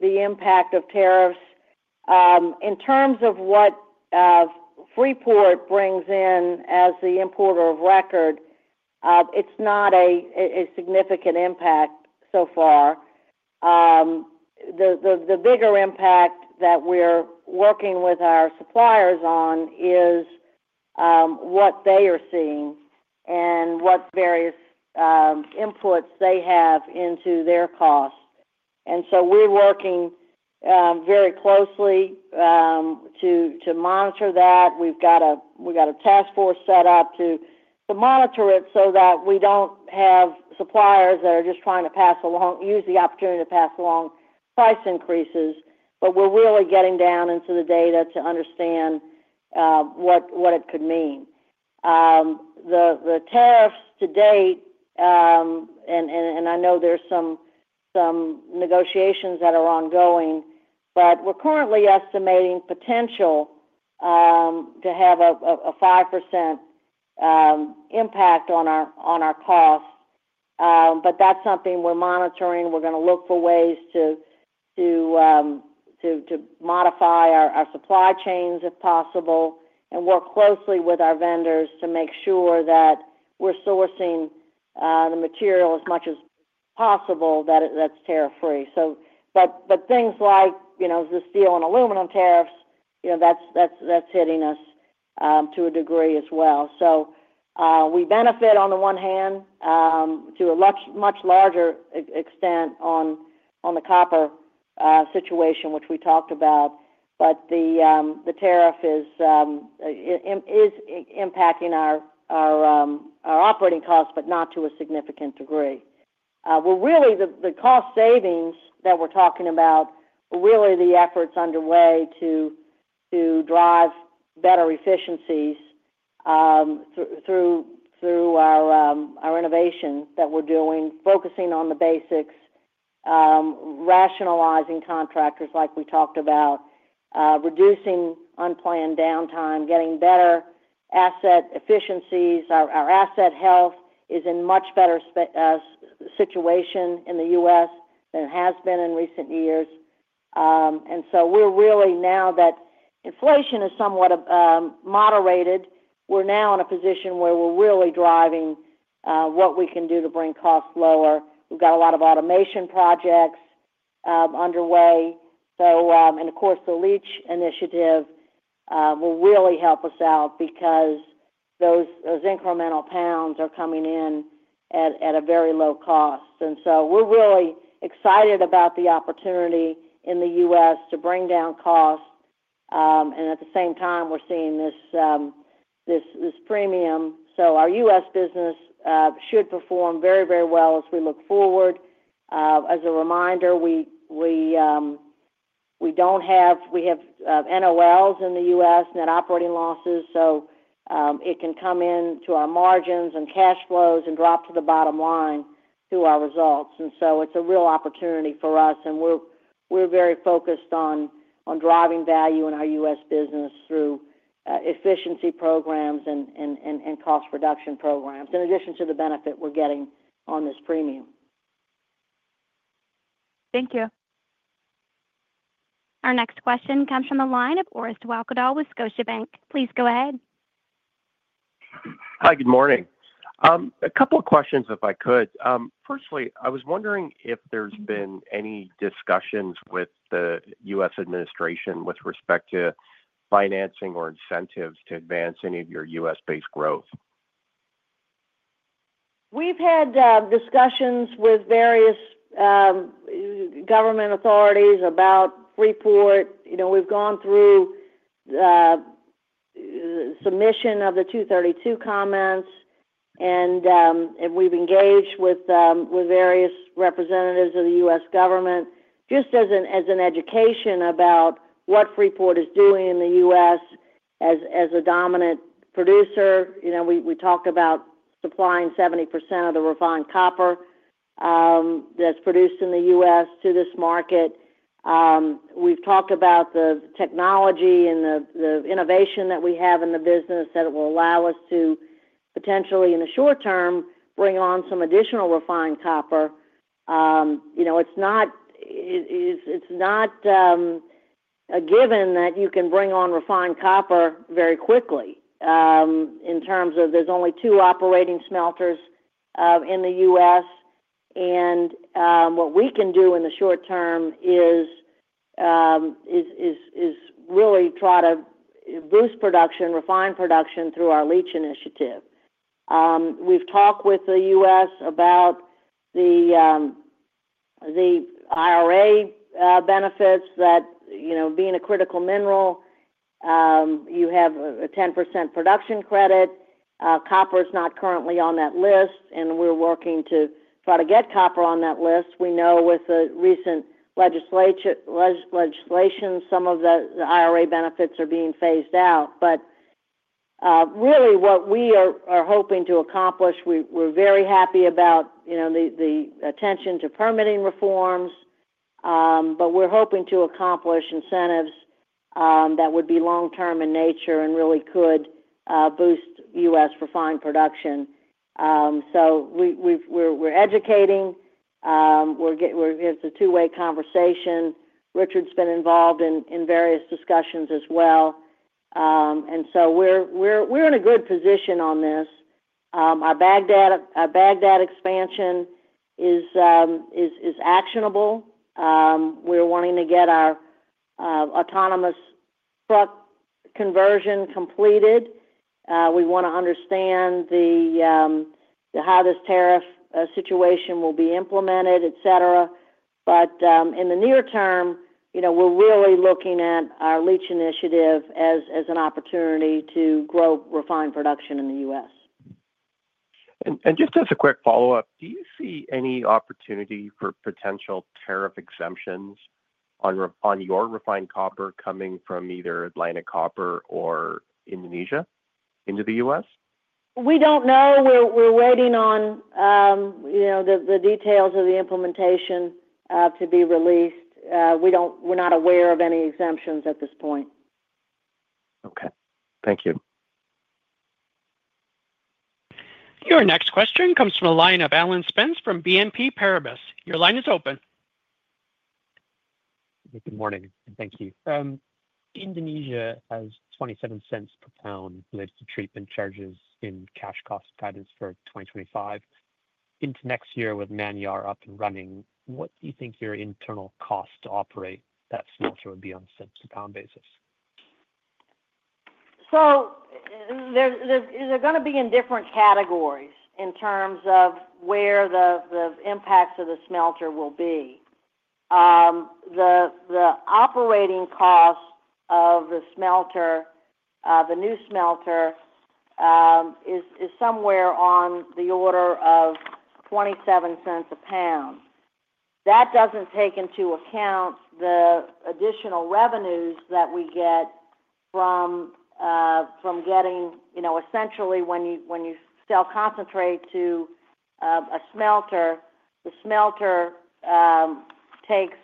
the impact of tariffs in terms of what Freeport brings in as the importer of record. It's not a significant impact so far. The bigger impact that we're working with our suppliers on is what they are seeing and what various inputs they have into their costs. We're working very closely to monitor that. We've got a task force set up to monitor it so that we don't have suppliers that are just trying to pass along, use the opportunity to pass along price increases. We're really getting down into the data to understand what it could mean. The tariffs to date, and I know there's some negotiations that are ongoing, but we're currently estimating potential to have a 5% impact on our costs. That's something we're monitoring. We're going to look for ways to modify our supply chains, if possible, and work closely with our vendors to make sure that we're sourcing the material as much as possible that's tariff-free. Things like the steel and aluminum tariffs, that is hitting us to a degree as well. We benefit on the one hand to a much larger extent on the copper situation, which we talked about. The tariff is impacting our operating costs, but not to a significant degree. Really, the cost savings that we are talking about are really the efforts underway to drive better efficiencies through our innovation that we are doing, focusing on the basics, rationalizing contractors like we talked about, reducing unplanned downtime, getting better asset efficiencies. Our asset health is in a much better situation in the U.S. than it has been in recent years. Now that inflation is somewhat moderated, we are now in a position where we are really driving what we can do to bring costs lower. We have got a lot of automation projects underway, and of course, the leach initiative will really help us out because those incremental pounds are coming in at a very low cost. We are really excited about the opportunity in the U.S. to bring down costs, and at the same time, we are seeing this premium. Our U.S. business should perform very, very well as we look forward. As a reminder, we do not have—we have NOLs in the U.S., net operating losses, so it can come into our margins and cash flows and drop to the bottom line through our results. It is a real opportunity for us, and we are very focused on driving value in our U.S. business through efficiency programs and cost reduction programs in addition to the benefit we are getting on this premium. Thank you. Our next question comes from the line of Orest Wowkodaw with Scotiabank. Please go ahead. Hi. Good morning. A couple of questions, if I could. Firstly, I was wondering if there has been any discussions with the U.S. administration with respect to financing or incentives to advance any of your U.S.-based growth. We have had discussions with various government authorities about Freeport. We have gone through the submission of the Section 232 comments, and we have engaged with various representatives of the U.S. government just as an education about what Freeport is doing in the U.S. As a dominant producer, we talked about supplying 70% of the refined copper that is produced in the U.S. to this market. We have talked about the technology and the innovation that we have in the business that will allow us to potentially, in the short term, bring on some additional refined copper. It is not a given that you can bring on refined copper very quickly. In terms of there are only two operating smelters in the U.S., and what we can do in the short term is really try to boost production, refined production through our leach initiative. We have talked with the U.S. about the IRA benefits that, being a critical mineral, you have a 10% production credit. Copper is not currently on that list, and we are working to try to get copper on that list. We know with the recent legislation, some of the IRA benefits are being phased out. Really, what we are hoping to accomplish, we're very happy about the attention to permitting reforms. We're hoping to accomplish incentives that would be long-term in nature and really could boost U.S. refined production. We're educating. It's a two-way conversation. Richard's been involved in various discussions as well. We're in a good position on this. Our Baghdad expansion is actionable. We're wanting to get our autonomous truck conversion completed. We want to understand how this tariff situation will be implemented, etc. In the near term, we're really looking at our leach initiative as an opportunity to grow refined production in the U.S. Just as a quick follow-up, do you see any opportunity for potential tariff exemptions on your refined copper coming from either Atlantic Copper or Indonesia into the U.S.? We don't know. We're waiting on the details of the implementation to be released. We're not aware of any exemptions at this point. Thank you. Your next question comes from the line of Alan Spence from BNP Paribas. Your line is open. Good morning. Thank you. Indonesia has 27 cents per pound related to treatment charges in cash cost guidance for 2025. Into next year with Manyar up and running, what do you think your internal cost to operate that smelter would be on a cents-to-pound basis? They're going to be in different categories in terms of where the impacts of the smelter will be. The operating cost of the new smelter is somewhere on the order of 27 cents a pound. That doesn't take into account the additional revenues that we get from getting essentially when you sell concentrate to a smelter, the smelter takes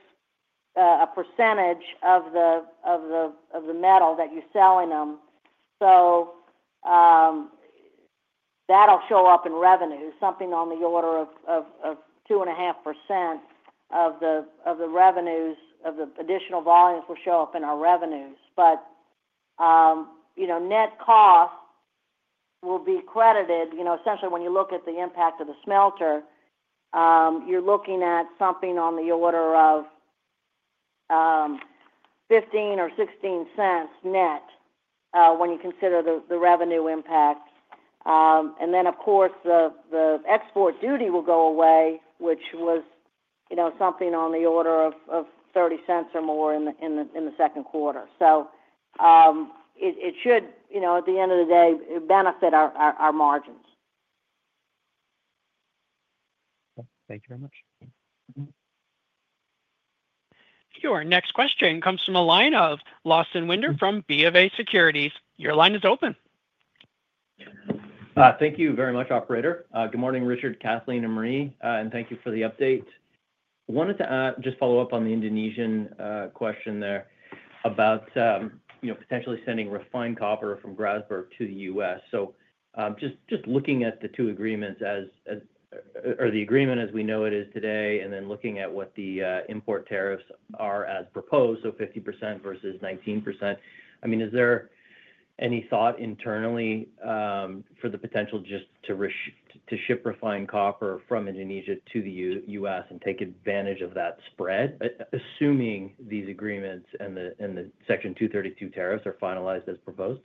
a percentage of the metal that you're selling them. That'll show up in revenues, something on the order of 2.5% of the revenues of the additional volumes will show up in our revenues. Net cost will be credited. Essentially, when you look at the impact of the smelter, you're looking at something on the order of 15 or 16 cents net when you consider the revenue impact. Then, of course, the export duty will go away, which was something on the order of 30 cents or more in the second quarter. It should, at the end of the day, benefit our margins. Thank you very much. Your next question comes from the line of Lawson Winder from BofA Securities. Your line is open. Thank you very much, operator. Good morning, Richard, Kathleen, and Maree. Thank you for the update. I wanted to just follow up on the Indonesian question there about potentially sending refined copper from Grasberg to the U.S. Just looking at the two agreements as, or the agreement as we know it is today, and then looking at what the import tariffs are as proposed, so 50% versus 19%. I mean, is there any thought internally for the potential just to ship refined copper from Indonesia to the U.S. and take advantage of that spread, assuming these agreements and the Section 232 tariffs are finalized as proposed?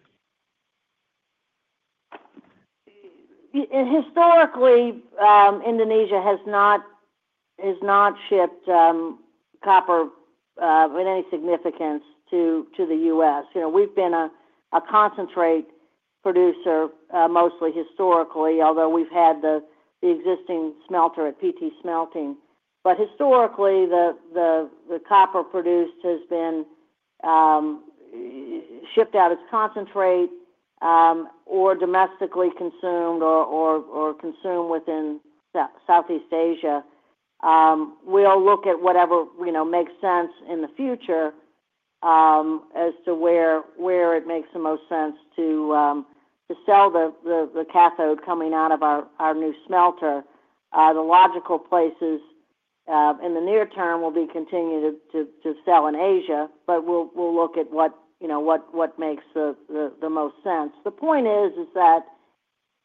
Historically, Indonesia has not shipped copper in any significance to the U.S. We've been a concentrate producer mostly historically, although we've had the existing smelter at PT Smelting. Historically, the copper produced has been shipped out as concentrate or domestically consumed or consumed within Southeast Asia. We'll look at whatever makes sense in the future as to where it makes the most sense to sell the cathode coming out of our new smelter. The logical places in the near term will be continuing to sell in Asia, but we'll look at what makes the most sense. The point is that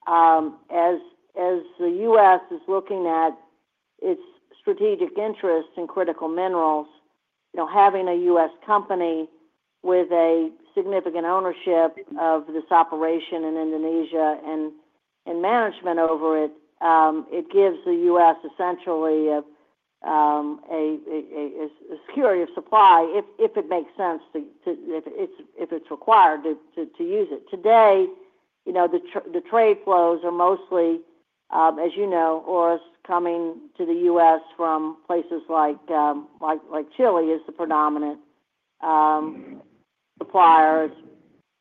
as the U.S. is looking at its strategic interests in critical minerals, having a U.S. company with a significant ownership of this operation in Indonesia and management over it, it gives the U.S. essentially a security of supply if it makes sense, if it's required to use it. Today, the trade flows are mostly, as you know, ore is coming to the U.S. from places like Chile, which is the predominant supplier,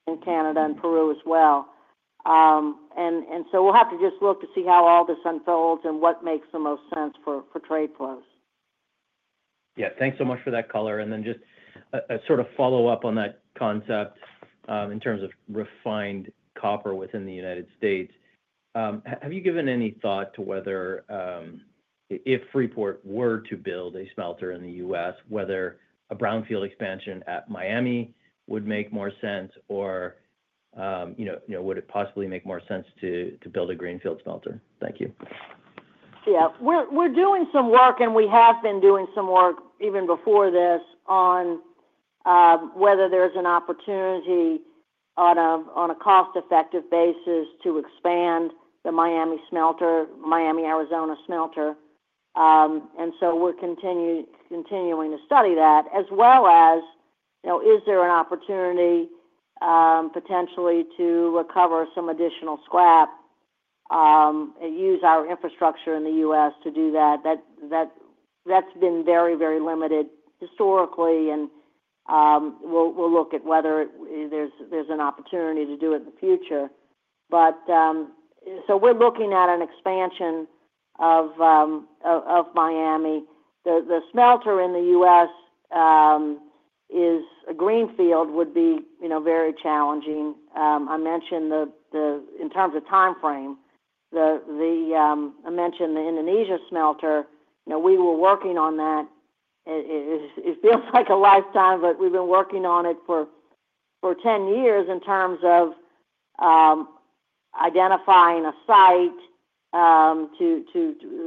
and Canada and Peru as well. We'll have to just look to see how all this unfolds and what makes the most sense for trade flows. Yeah. Thanks so much for that color. And then just a sort of follow-up on that concept in terms of refined copper within the United States. Have you given any thought to whether, if Freeport were to build a smelter in the U.S., whether a brownfield expansion at Miami would make more sense, or would it possibly make more sense to build a greenfield smelter? Thank you. Yeah. We're doing some work, and we have been doing some work even before this on whether there's an opportunity on a cost-effective basis to expand the Miami-Arizona smelter. We're continuing to study that, as well as is there an opportunity potentially to recover some additional scrap and use our infrastructure in the U.S. to do that? That's been very, very limited historically. We'll look at whether there's an opportunity to do it in the future. We're looking at an expansion of Miami, the smelter in the U.S. Greenfield would be very challenging. I mentioned in terms of timeframe, I mentioned the Indonesia smelter. We were working on that. It feels like a lifetime, but we've been working on it for 10 years in terms of identifying a site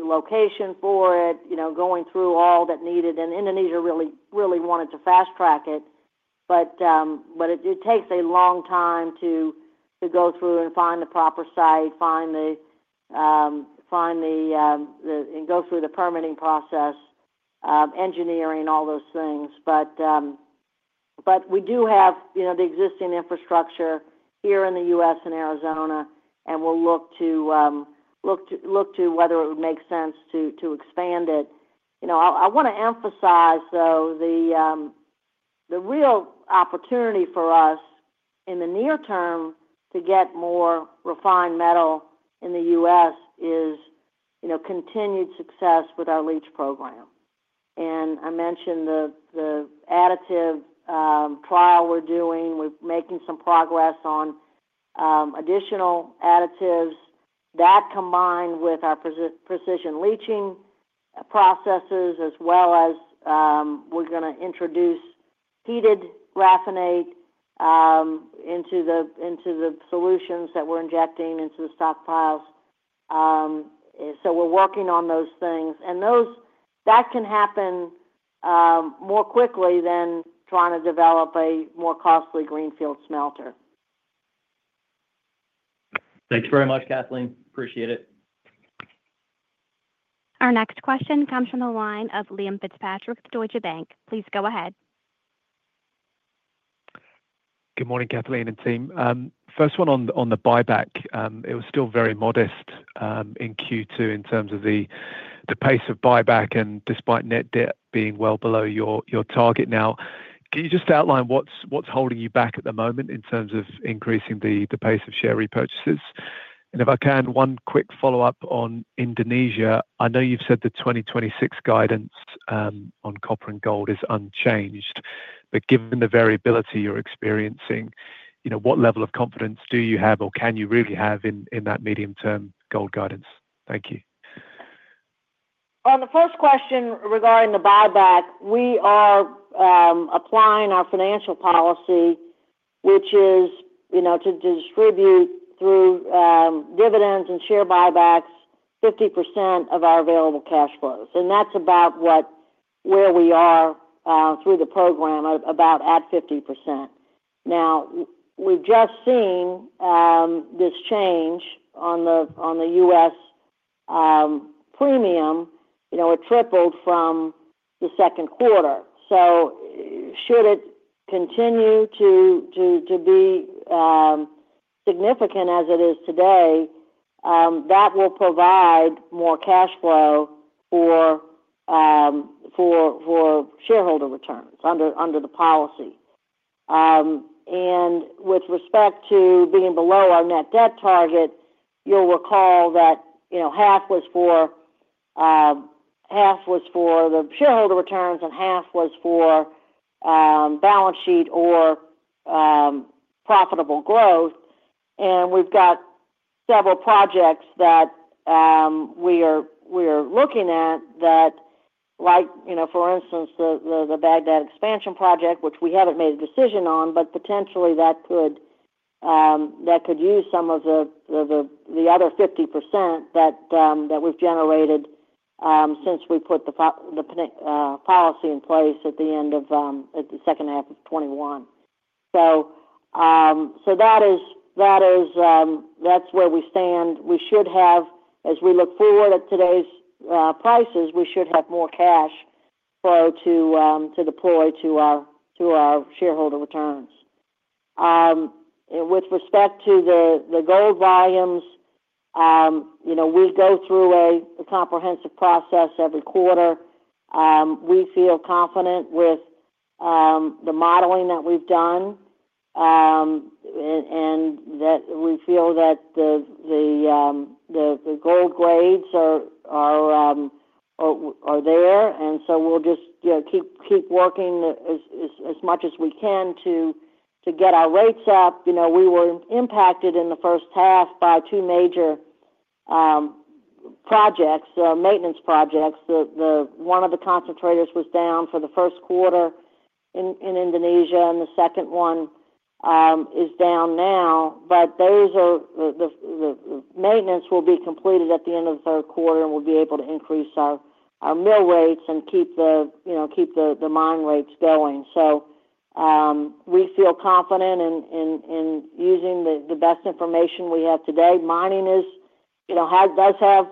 location for it, going through all that needed. Indonesia really wanted to fast-track it. It takes a long time to go through and find the proper site, and go through the permitting process, engineering, all those things. We do have the existing infrastructure here in the U.S. and Arizona, and we'll look to. Look to whether it would make sense to expand it. I want to emphasize, though, the real opportunity for us in the near term to get more refined metal in the U.S. is continued success with our leach program. And I mentioned the additive trial we're doing. We're making some progress on additional additives that combine with our precision leaching processes, as well as we're going to introduce heated graphenate into the solutions that we're injecting into the stockpiles. So we're working on those things. That can happen more quickly than trying to develop a more costly greenfield smelter. Thanks very much, Kathleen. Appreciate it. Our next question comes from the line of Liam Fitzpatrick with Deutsche Bank. Please go ahead. Good morning, Kathleen and team. First one on the buyback. It was still very modest in Q2 in terms of the pace of buyback and despite net debt being well below your target now. Can you just outline what's holding you back at the moment in terms of increasing the pace of share repurchases? And if I can, one quick follow-up on Indonesia. I know you've said the 2026 guidance on copper and gold is unchanged, but given the variability you're experiencing, what level of confidence do you have or can you really have in that medium-term gold guidance? Thank you. On the first question regarding the buyback, we are applying our financial policy, which is to distribute through dividends and share buybacks 50% of our available cash flows. And that's about where we are through the program, about at 50%. Now, we've just seen this change on the U.S. premium. It tripled from the second quarter. Should it continue to be significant as it is today, that will provide more cash flow for shareholder returns under the policy. With respect to being below our net debt target, you'll recall that half was for the shareholder returns and half was for balance sheet or profitable growth. We've got several projects that we are looking at that, like, for instance, the Baghdad expansion project, which we haven't made a decision on, but potentially that could use some of the other 50% that we've generated since we put the policy in place at the end of the second half of 2021. That's where we stand. As we look forward at today's prices, we should have more cash flow to deploy to our shareholder returns. With respect to the gold volumes, we go through a comprehensive process every quarter. We feel confident with the modeling that we've done and that we feel that the gold grades are there. We'll just keep working as much as we can to get our rates up. We were impacted in the first half by two major maintenance projects. One of the concentrators was down for the first quarter in Indonesia, and the second one is down now. Maintenance will be completed at the end of the third quarter, and we'll be able to increase our mill rates and keep the mine rates going. We feel confident in using the best information we have today. Mining does have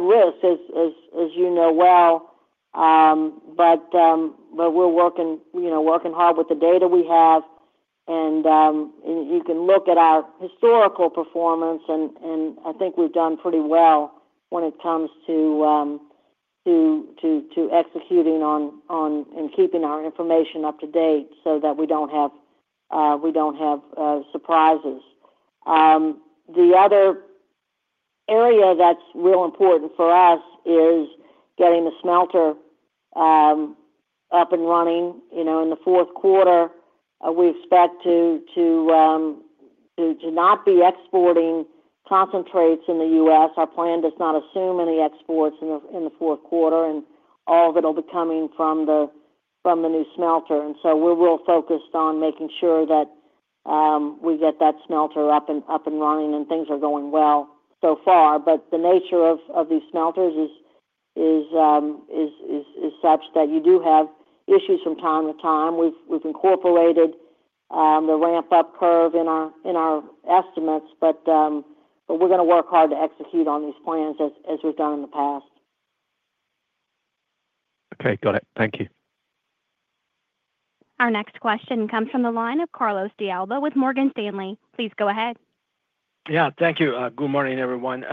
risks, as you know well. We're working hard with the data we have. You can look at our historical performance, and I think we've done pretty well when it comes to executing and keeping our information up to date so that we do not have surprises. The other area that's real important for us is getting the smelter up and running. In the fourth quarter, we expect to not be exporting concentrates in the U.S. Our plan does not assume any exports in the fourth quarter, and all of it will be coming from the new smelter. We're real focused on making sure that we get that smelter up and running and things are going well so far. The nature of these smelters is such that you do have issues from time to time. We've incorporated the ramp-up curve in our estimates, but we're going to work hard to execute on these plans as we've done in the past. Okay. Got it. Thank you. Our next question comes from the line of Carlos de Alba with Morgan Stanley. Please go ahead. Yeah. Thank you. Good morning, everyone.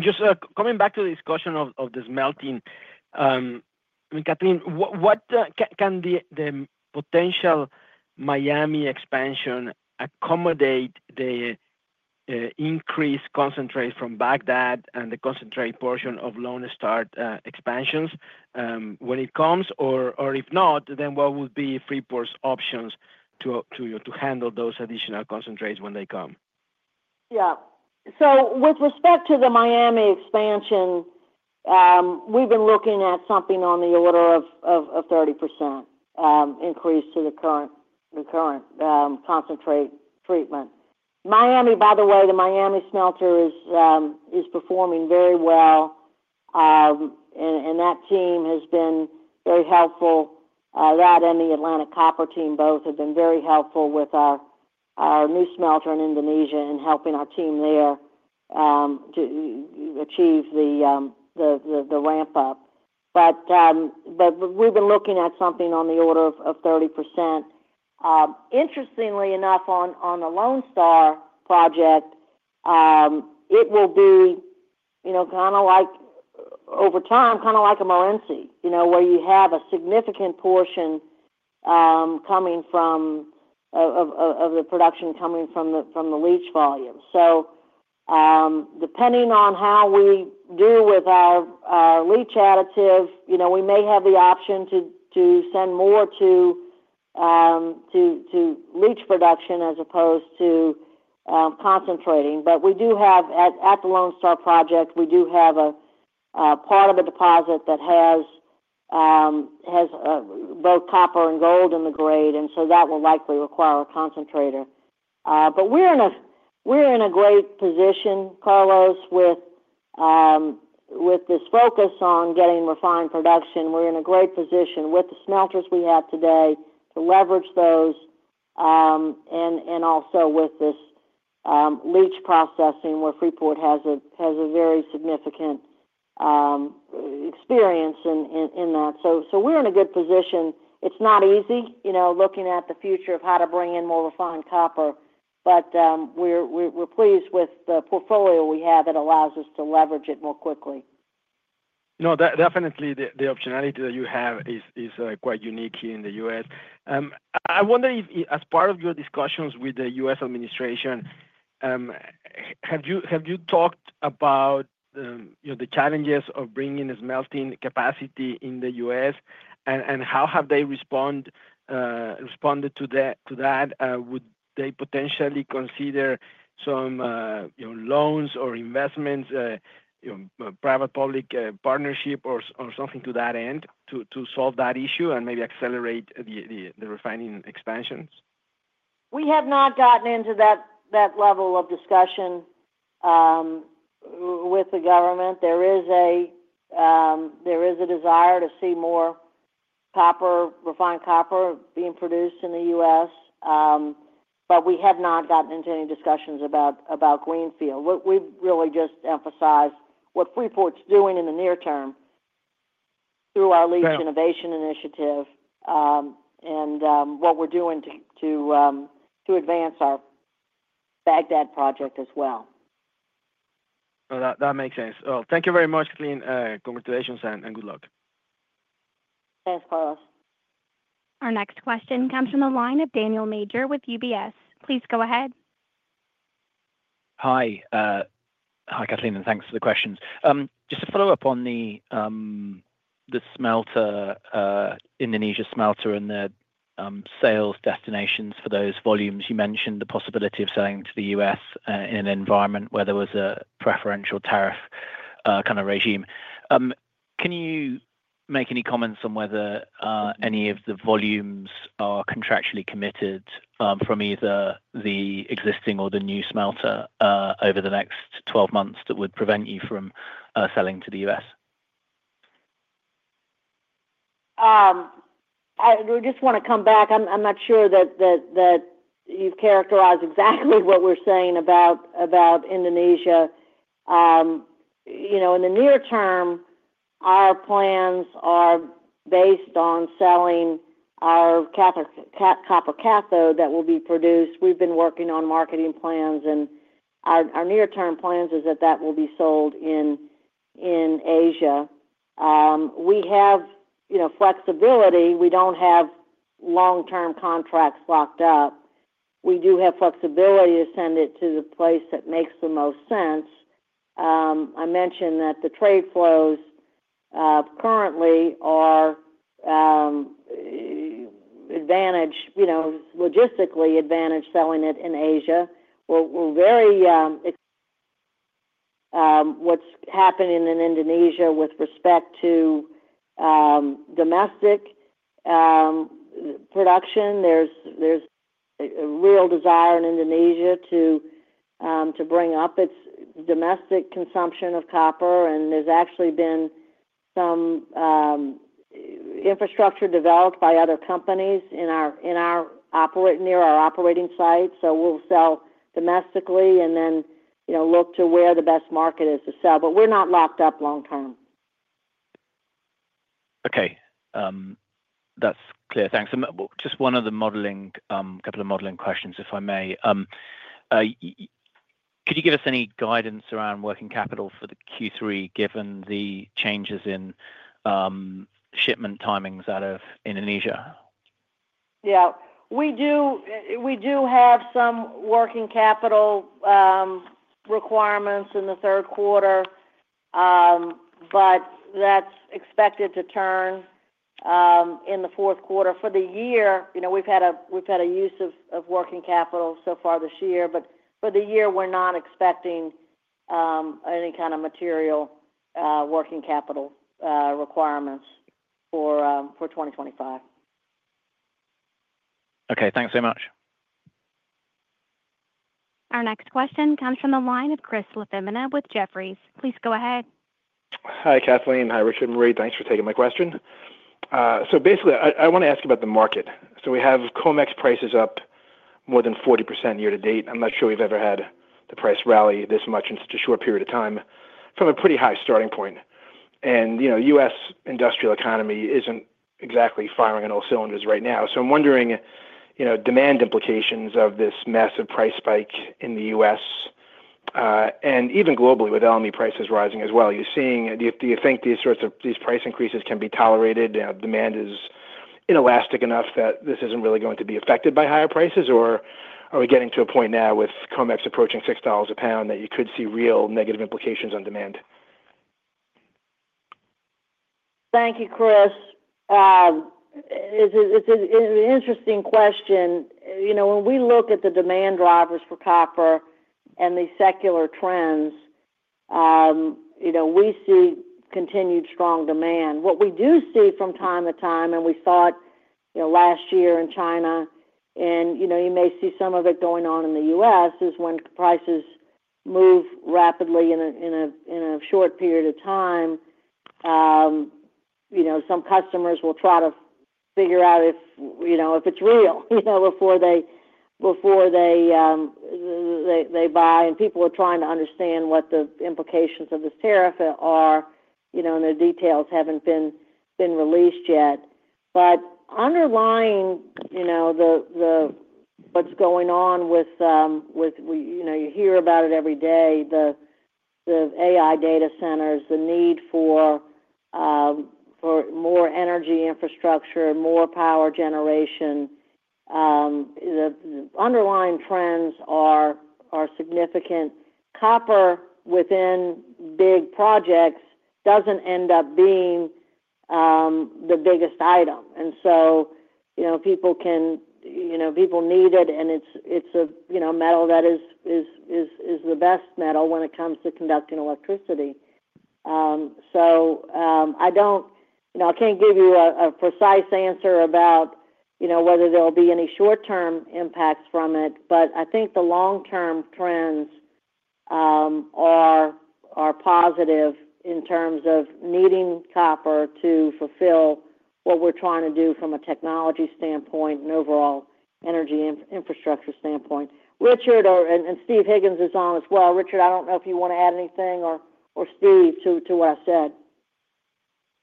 Just coming back to the discussion of the smelting. I mean, Kathleen, what can the potential Miami expansion accommodate, the increased concentrate from Baghdad and the concentrate portion of Lone Star expansions when it comes, or if not, then what would be Freeport's options to handle those additional concentrates when they come? Yeah. With respect to the Miami expansion, we've been looking at something on the order of 30% increase to the current concentrate treatment. Miami, by the way, the Miami smelter is performing very well. That team has been very helpful. That and the Atlantic Copper team both have been very helpful with our new smelter in Indonesia and helping our team there to achieve the ramp-up. We've been looking at something on the order of 30%. Interestingly enough, on the Lone Star project, it will be kind of like over time, kind of like a Morenci where you have a significant portion of the production coming from the leach volume. Depending on how we do with our leach additive, we may have the option to send more to leach production as opposed to concentrating. We do have, at the Lone Star project, a part of the deposit that has both copper and gold in the grade, and so that will likely require a concentrator. We're in a great position, Carlos, with this focus on getting refined production. We're in a great position with the smelters we have today to leverage those, and also with this leach processing where Freeport has a very significant. Experience in that. So we're in a good position. It's not easy looking at the future of how to bring in more refined copper, but we're pleased with the portfolio we have that allows us to leverage it more quickly. No, definitely, the optionality that you have is quite unique here in the U.S. I wonder if, as part of your discussions with the U.S. administration, have you talked about the challenges of bringing a smelting capacity in the U.S., and how have they responded to that? Would they potentially consider some loans or investments, private-public partnership or something to that end to solve that issue and maybe accelerate the refining expansions? We have not gotten into that level of discussion with the government. There is a desire to see more refined copper being produced in the U.S., but we have not gotten into any discussions about Greenfield. We've really just emphasized what Freeport's doing in the near term through our leach innovation initiative and what we're doing to advance our Baghdad project as well. That makes sense. Thank you very much, Kathleen. Congratulations and good luck. Thanks, Carlos. Our next question comes from the line of Daniel Major with UBS. Please go ahead. Hi. Hi, Kathleen, and thanks for the questions. Just to follow up on the Indonesia smelter and the sales destinations for those volumes, you mentioned the possibility of selling to the U.S. in an environment where there was a preferential tariff kind of regime. Can you make any comments on whether any of the volumes are contractually committed from either the existing or the new smelter over the next 12 months that would prevent you from selling to the U.S.? I just want to come back. I'm not sure that you've characterized exactly what we're saying about Indonesia. In the near term, our plans are based on selling our copper cathode that will be produced. We've been working on marketing plans, and our near-term plans are that that will be sold in Asia. We have flexibility. We don't have long-term contracts locked up. We do have flexibility to send it to the place that makes the most sense. I mentioned that the trade flows currently are logistically advantaged selling it in Asia. We're very—what's happening in Indonesia with respect to domestic production, there's a real desire in Indonesia to bring up its domestic consumption of copper, and there's actually been some infrastructure developed by other companies near our operating site. So we'll sell domestically and then look to where the best market is to sell, but we're not locked up long-term. Okay. That's clear. Thanks. Just one of the couple of modeling questions, if I may. Could you give us any guidance around working capital for the Q3 given the changes in shipment timings out of Indonesia? Yeah. We do have some working capital requirements in the third quarter, but that's expected to turn in the fourth quarter. For the year, we've had a use of working capital so far this year, but for the year, we're not expecting any kind of material working capital requirements for 2025. Okay. Thanks so much. Our next question comes from the line of Chris LaFemina with Jefferies. Please go ahead. Hi, Kathleen. Hi, Richard and Maree. Thanks for taking my question. So basically, I want to ask about the market. We have COMEX prices up more than 40% year-to-date. I'm not sure we've ever had the price rally this much in such a short period of time from a pretty high starting point. The U.S. industrial economy isn't exactly firing on all cylinders right now. I'm wondering about demand implications of this massive price spike in the U.S. and even globally with LME prices rising as well. Do you think these sorts of price increases can be tolerated? Is demand inelastic enough that this isn't really going to be affected by higher prices, or are we getting to a point now with COMEX approaching $6 a pound that you could see real negative implications on demand? Thank you, Chris. It's an interesting question. When we look at the demand drivers for copper and the secular trends, we see continued strong demand. What we do see from time to time, and we saw it last year in China, and you may see some of it going on in the U.S., is when prices move rapidly in a short period of time, some customers will try to figure out if it's real before they buy, and people are trying to understand what the implications of this tariff are, and the details haven't been released yet. But underlying what's going on, you hear about it every day, the AI data centers, the need for more energy infrastructure, more power generation. The underlying trends are significant. Copper within big projects doesn't end up being the biggest item. People need it, and it's a metal that is the best metal when it comes to conducting electricity. I can't give you a precise answer about whether there'll be any short-term impacts from it, but I think the long-term trends are positive in terms of needing copper to fulfill what we're trying to do from a technology standpoint and overall energy infrastructure standpoint. Richard and Steve Higgins are on as well. Richard, I don't know if you want to add anything or Steve to what I said.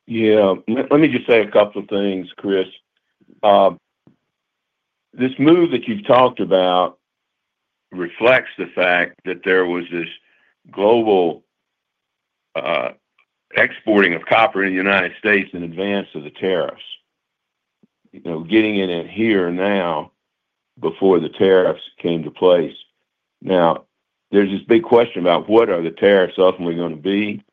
Yeah. Let me just say a couple of things, Chris. This move that you've talked about reflects the fact that there was this global exporting of copper in the United States in advance of the tariffs getting in here and now, before the tariffs came to place. Now, there's this big question about what are the tariffs ultimately going to be.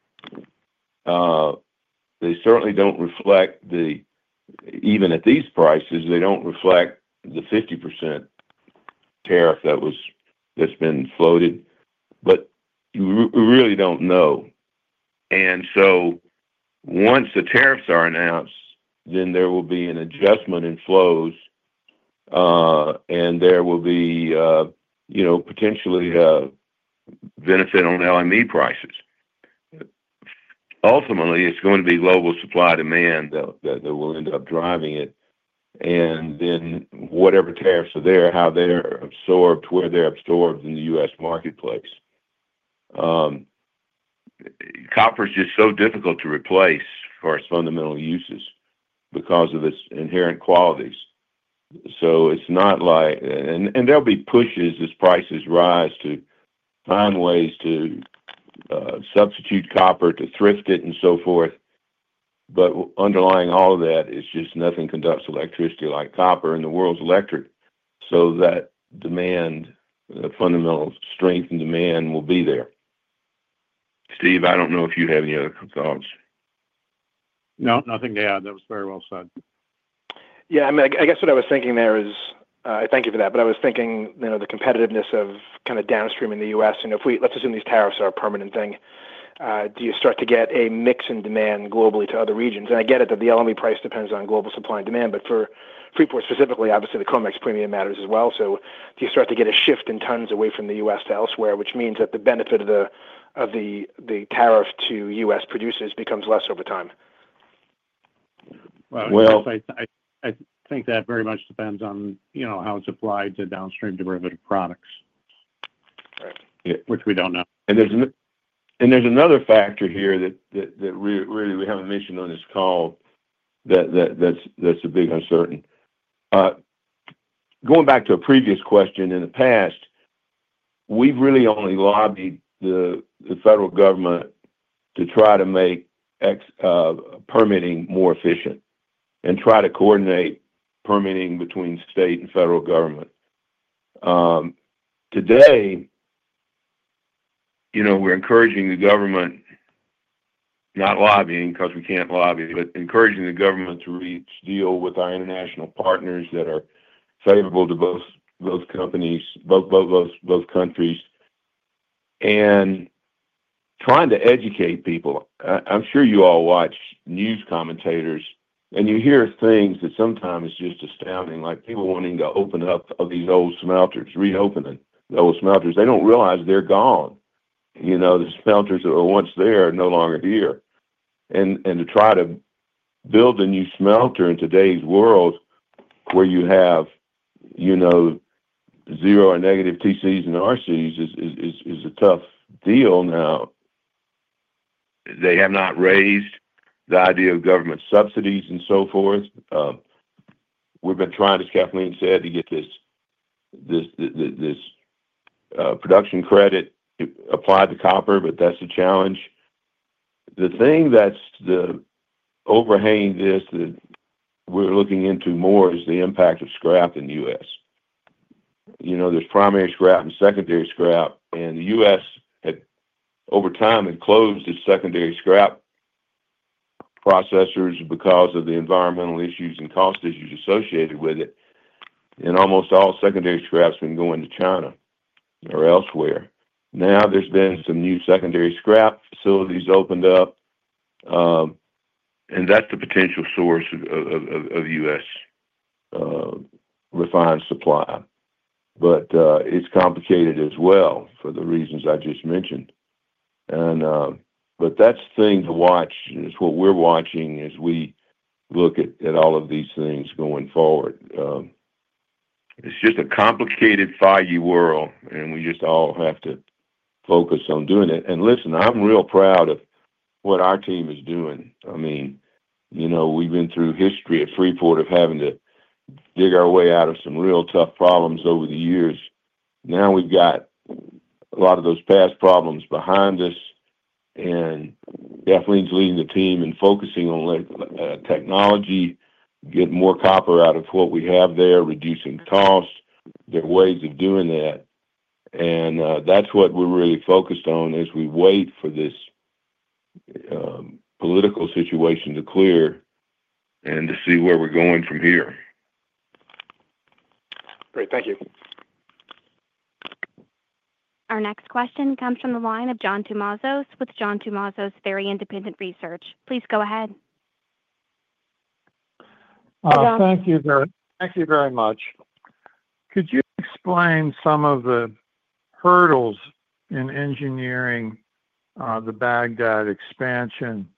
They certainly don't reflect the—even at these prices, they don't reflect the 50% tariff that's been floated. But. We really don't know. Once the tariffs are announced, then there will be an adjustment in flows, and there will be potentially benefit on LME prices. Ultimately, it's going to be global supply demand that will end up driving it. Whatever tariffs are there, how they're absorbed, where they're absorbed in the U.S. marketplace. Copper is just so difficult to replace for its fundamental uses because of its inherent qualities. It's not like—there'll be pushes as prices rise to find ways to substitute copper, to thrift it, and so forth. Underlying all of that is just nothing conducts electricity like copper in the world's electric. That fundamental strength and demand will be there. Steve, I don't know if you have any other thoughts. No, nothing to add. That was very well said. Yeah. I mean, I guess what I was thinking there is—I thank you for that—but I was thinking the competitiveness of kind of downstream in the U.S. Let's assume these tariffs are a permanent thing. Do you start to get a mix in demand globally to other regions? I get it that the LME price depends on global supply and demand, but for Freeport specifically, obviously, the COMEX premium matters as well. Do you start to get a shift in tons away from the U.S. to elsewhere, which means that the benefit of the tariff to U.S. producers becomes less over time? I think that very much depends on how it's applied to downstream derivative products, which we don't know. There's another factor here that really we haven't mentioned on this call. That's a big uncertain. Going back to a previous question, in the past, we've really only lobbied the federal government to try to make permitting more efficient and try to coordinate permitting between state and federal government. Today, we're encouraging the government—not lobbying because we can't lobby—but encouraging the government to reach deal with our international partners that are favorable to both countries. Trying to educate people. I'm sure you all watch news commentators, and you hear things that sometimes it's just astounding, like people wanting to open up these old smelters, reopen them. The old smelters, they don't realize they're gone. The smelters that were once there are no longer here. To try to build a new smelter in today's world, where you have zero or negative TCs and RCs, is a tough deal now. They have not raised the idea of government subsidies and so forth. We've been trying, as Kathleen said, to get this production credit applied to copper, but that's a challenge. The thing that's overhanging this that we're looking into more is the impact of scrap in the U.S. There's primary scrap and secondary scrap. The U.S. over time had closed its secondary scrap processors because of the environmental issues and cost issues associated with it. Almost all secondary scrap's been going to China or elsewhere. Now there's been some new secondary scrap facilities opened up. That's a potential source of U.S. refined supply. It's complicated as well for the reasons I just mentioned. That's the thing to watch. It's what we're watching as we look at all of these things going forward. It's just a complicated, foggy world, and we just all have to focus on doing it. Listen, I'm real proud of what our team is doing. I mean, we've been through history at Freeport of having to dig our way out of some real tough problems over the years. Now we've got a lot of those past problems behind us. Kathleen's leading the team and focusing on technology, getting more copper out of what we have there, reducing cost. There are ways of doing that. That's what we're really focused on as we wait for this political situation to clear and to see where we're going from here. Thank you. Our next question comes from the line of John Tumazos with John Tumazos Very Independent Research. Please go ahead. Thank you very much. Could you explain some of the hurdles in engineering the Baghdad expansion?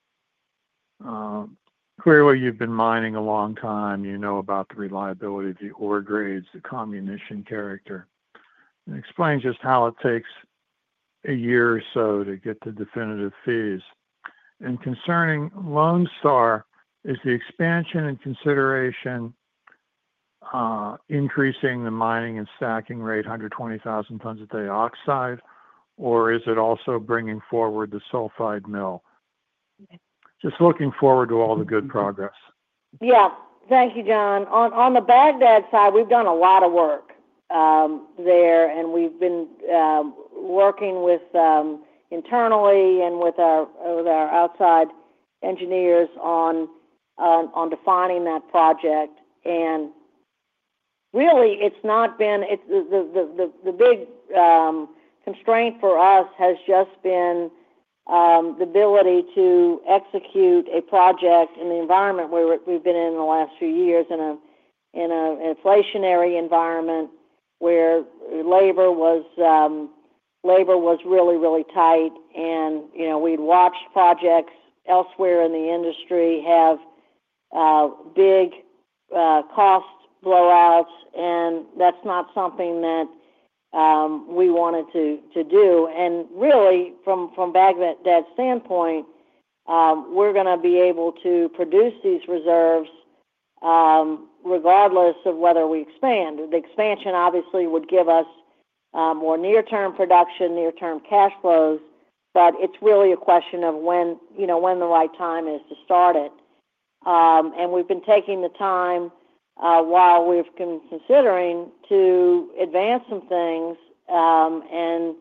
Clearly, you've been mining a long time. You know about the reliability of the ore grades, the comminution character, and explain just how it takes a year or so to get the definitive phase. Concerning Lone Star, is the expansion in consideration increasing the mining and stacking rate 120,000 tons a day oxide, or is it also bringing forward the sulfide mill? Just looking forward to all the good progress. Yeah. Thank you, John. On the Baghdad side, we've done a lot of work there, and we've been working internally and with our outside engineers on defining that project. Really, it's not been—the big constraint for us has just been the ability to execute a project in the environment we've been in the last few years, in an inflationary environment where labor was really, really tight. We'd watched projects elsewhere in the industry have big cost blowouts, and that's not something that we wanted to do. Really, from Baghdad's standpoint, we're going to be able to produce these reserves regardless of whether we expand. The expansion, obviously, would give us more near-term production, near-term cash flows, but it's really a question of when the right time is to start it. We've been taking the time while we've been considering to advance some things and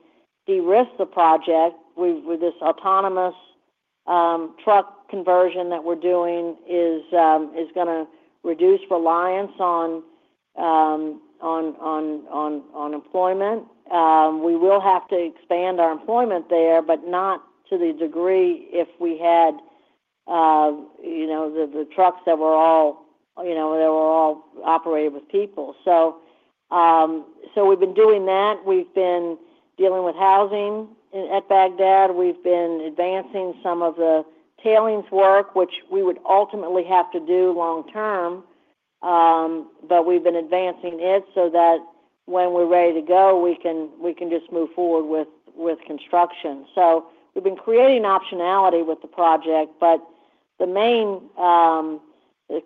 de-risk the project. This autonomous truck conversion that we're doing is going to reduce reliance on employment. We will have to expand our employment there, but not to the degree if we had the trucks that were all operated with people. We've been doing that. We've been dealing with housing at Baghdad. We've been advancing some of the tailings work, which we would ultimately have to do long-term. But we've been advancing it so that when we're ready to go, we can just move forward with construction. We've been creating optionality with the project, but the main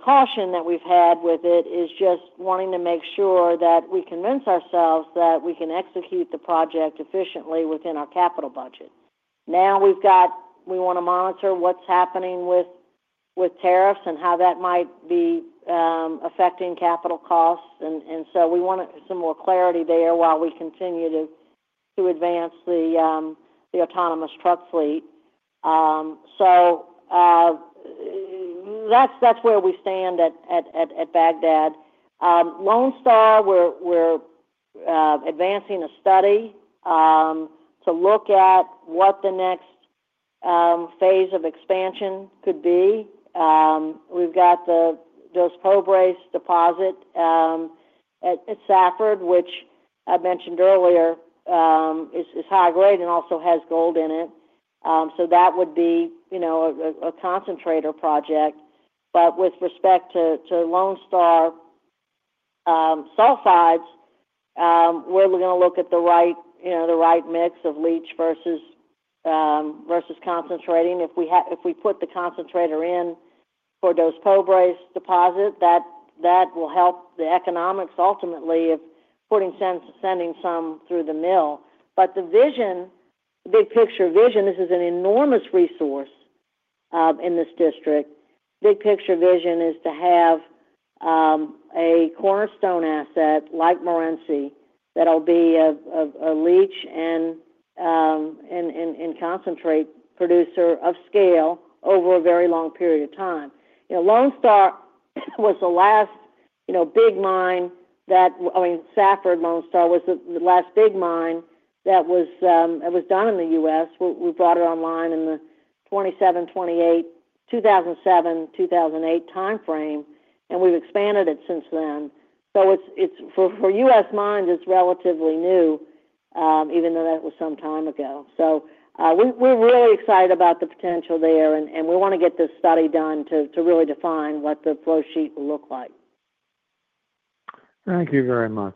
caution that we've had with it is just wanting to make sure that we convince ourselves that we can execute the project efficiently within our capital budget. Now we want to monitor what's happening with tariffs and how that might be affecting capital costs. We want some more clarity there while we continue to advance the autonomous truck fleet. That's where we stand at Baghdad. Lone Star, we're advancing a study to look at what the next phase of expansion could be. We've got the Joseph Kobreis deposit at Safford, which I mentioned earlier, is high-grade and also has gold in it. That would be a concentrator project. With respect to Lone Star sulfides, we're going to look at the right mix of leach versus concentrating. If we put the concentrator in for Joseph Kobreis deposit, that will help the economics ultimately of sending some through the mill. The vision, the big picture vision, this is an enormous resource in this district. Big picture vision is to have a cornerstone asset like Morenci that'll be a leach and concentrate producer of scale over a very long period of time. Lone Star was the last big mine that—I mean, Safford-Lone Star was the last big mine that was done in the United States. We brought it online in the 2007-2008 timeframe, and we've expanded it since then. For U.S. mines, it's relatively new, even though that was some time ago. We're really excited about the potential there, and we want to get this study done to really define what the flowsheet will look like. Thank you very much.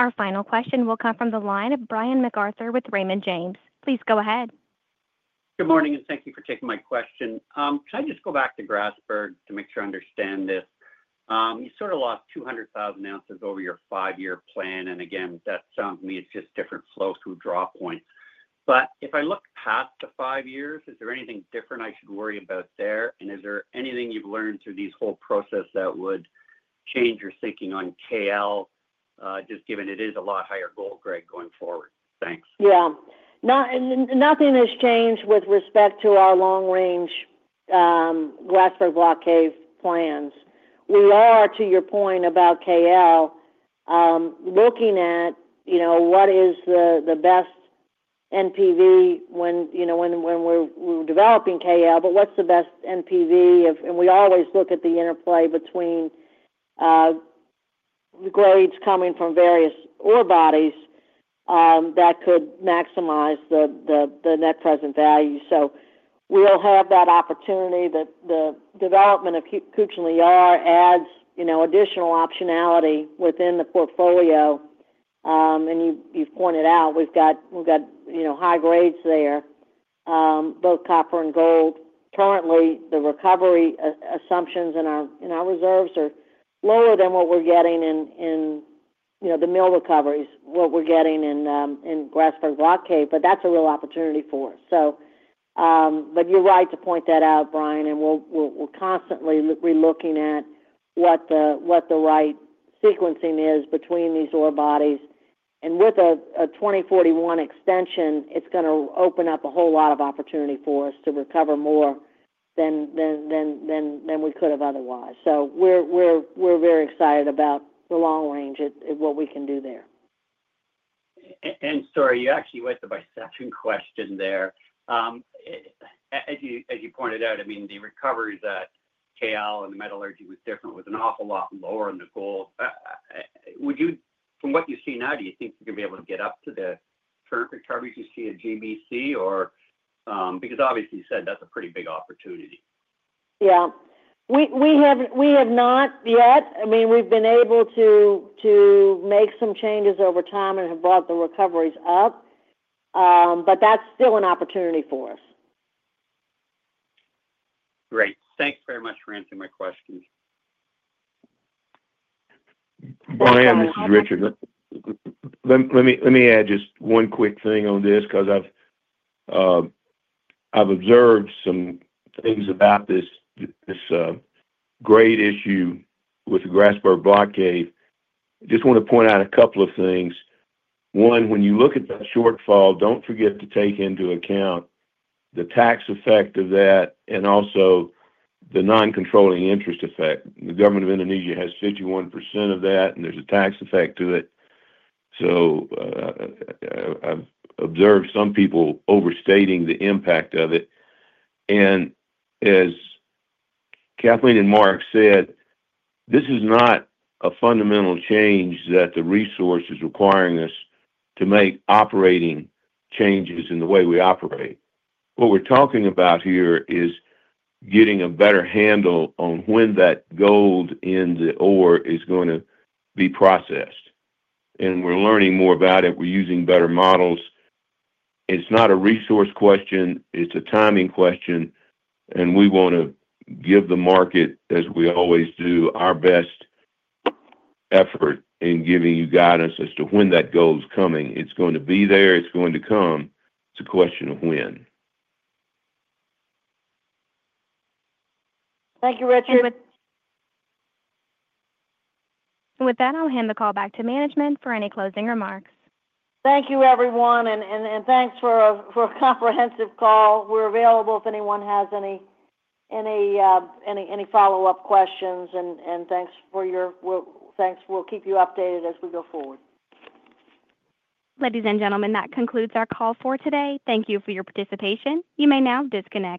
Our final question will come from the line of Brian MacArthur with Raymond James. Please go ahead. Good morning, and thank you for taking my question. Can I just go back to Grasberg to make sure I understand this? You sort of lost 200,000 ounces over your five-year plan. That sounds to me it's just different flows through draw points. If I look past the five years, is there anything different I should worry about there? Is there anything you've learned through this whole process that would change your thinking on KL, just given it is a lot higher gold grade going forward? Thanks. Yeah. Nothing has changed with respect to our long-range Grasberg Block Cave plans. We are, to your point about KL, looking at what is the best NPV when we're developing KL, but what's the best NPV? We always look at the interplay between the grades coming from various ore bodies that could maximize the net present value. We'll have that opportunity. The development of Kucing Liar adds additional optionality within the portfolio. And you've pointed out we've got high grades there, both copper and gold. Currently, the recovery assumptions in our reserves are lower than what we're getting in the mill recoveries, what we're getting in Grasberg Block Cave. But that's a real opportunity for us. But you're right to point that out, Brian. And we're constantly re-looking at what the right sequencing is between these ore bodies. And with a 2041 extension, it's going to open up a whole lot of opportunity for us to recover more than we could have otherwise. So we're very excited about the long range of what we can do there. And sorry, you actually went to my second question there. As you pointed out, I mean, the recoveries at KL and the metallurgy was different with an awful lot lower in the gold. From what you see now, do you think you're going to be able to get up to the current recoveries you see at GBC? Because obviously, you said that's a pretty big opportunity. Yeah. We have not yet. I mean, we've been able to make some changes over time and have brought the recoveries up. But that's still an opportunity for us. Great. Thanks very much for answering my questions. Brian, this is Richard. Let me add just one quick thing on this because I've observed some things about this grade issue with the Grasberg Block Cave. I just want to point out a couple of things. One, when you look at the shortfall, don't forget to take into account the tax effect of that and also the non-controlling interest effect. The government of Indonesia has 51% of that, and there's a tax effect to it. So I've observed some people overstating the impact of it. And as Kathleen and Mark said, this is not a fundamental change that the resource is requiring us to make operating changes in the way we operate. What we're talking about here is getting a better handle on when that gold in the ore is going to be processed. And we're learning more about it. We're using better models. It's not a resource question. It's a timing question. And we want to give the market, as we always do, our best effort in giving you guidance as to when that gold's coming. It's going to be there. It's going to come. It's a question of when. Thank you, Richard. With that, I'll hand the call back to management for any closing remarks. Thank you, everyone. And thanks for a comprehensive call. We're available if anyone has any follow-up questions. And thanks for your— We'll keep you updated as we go forward. Ladies and gentlemen, that concludes our call for today. Thank you for your participation. You may now disconnect.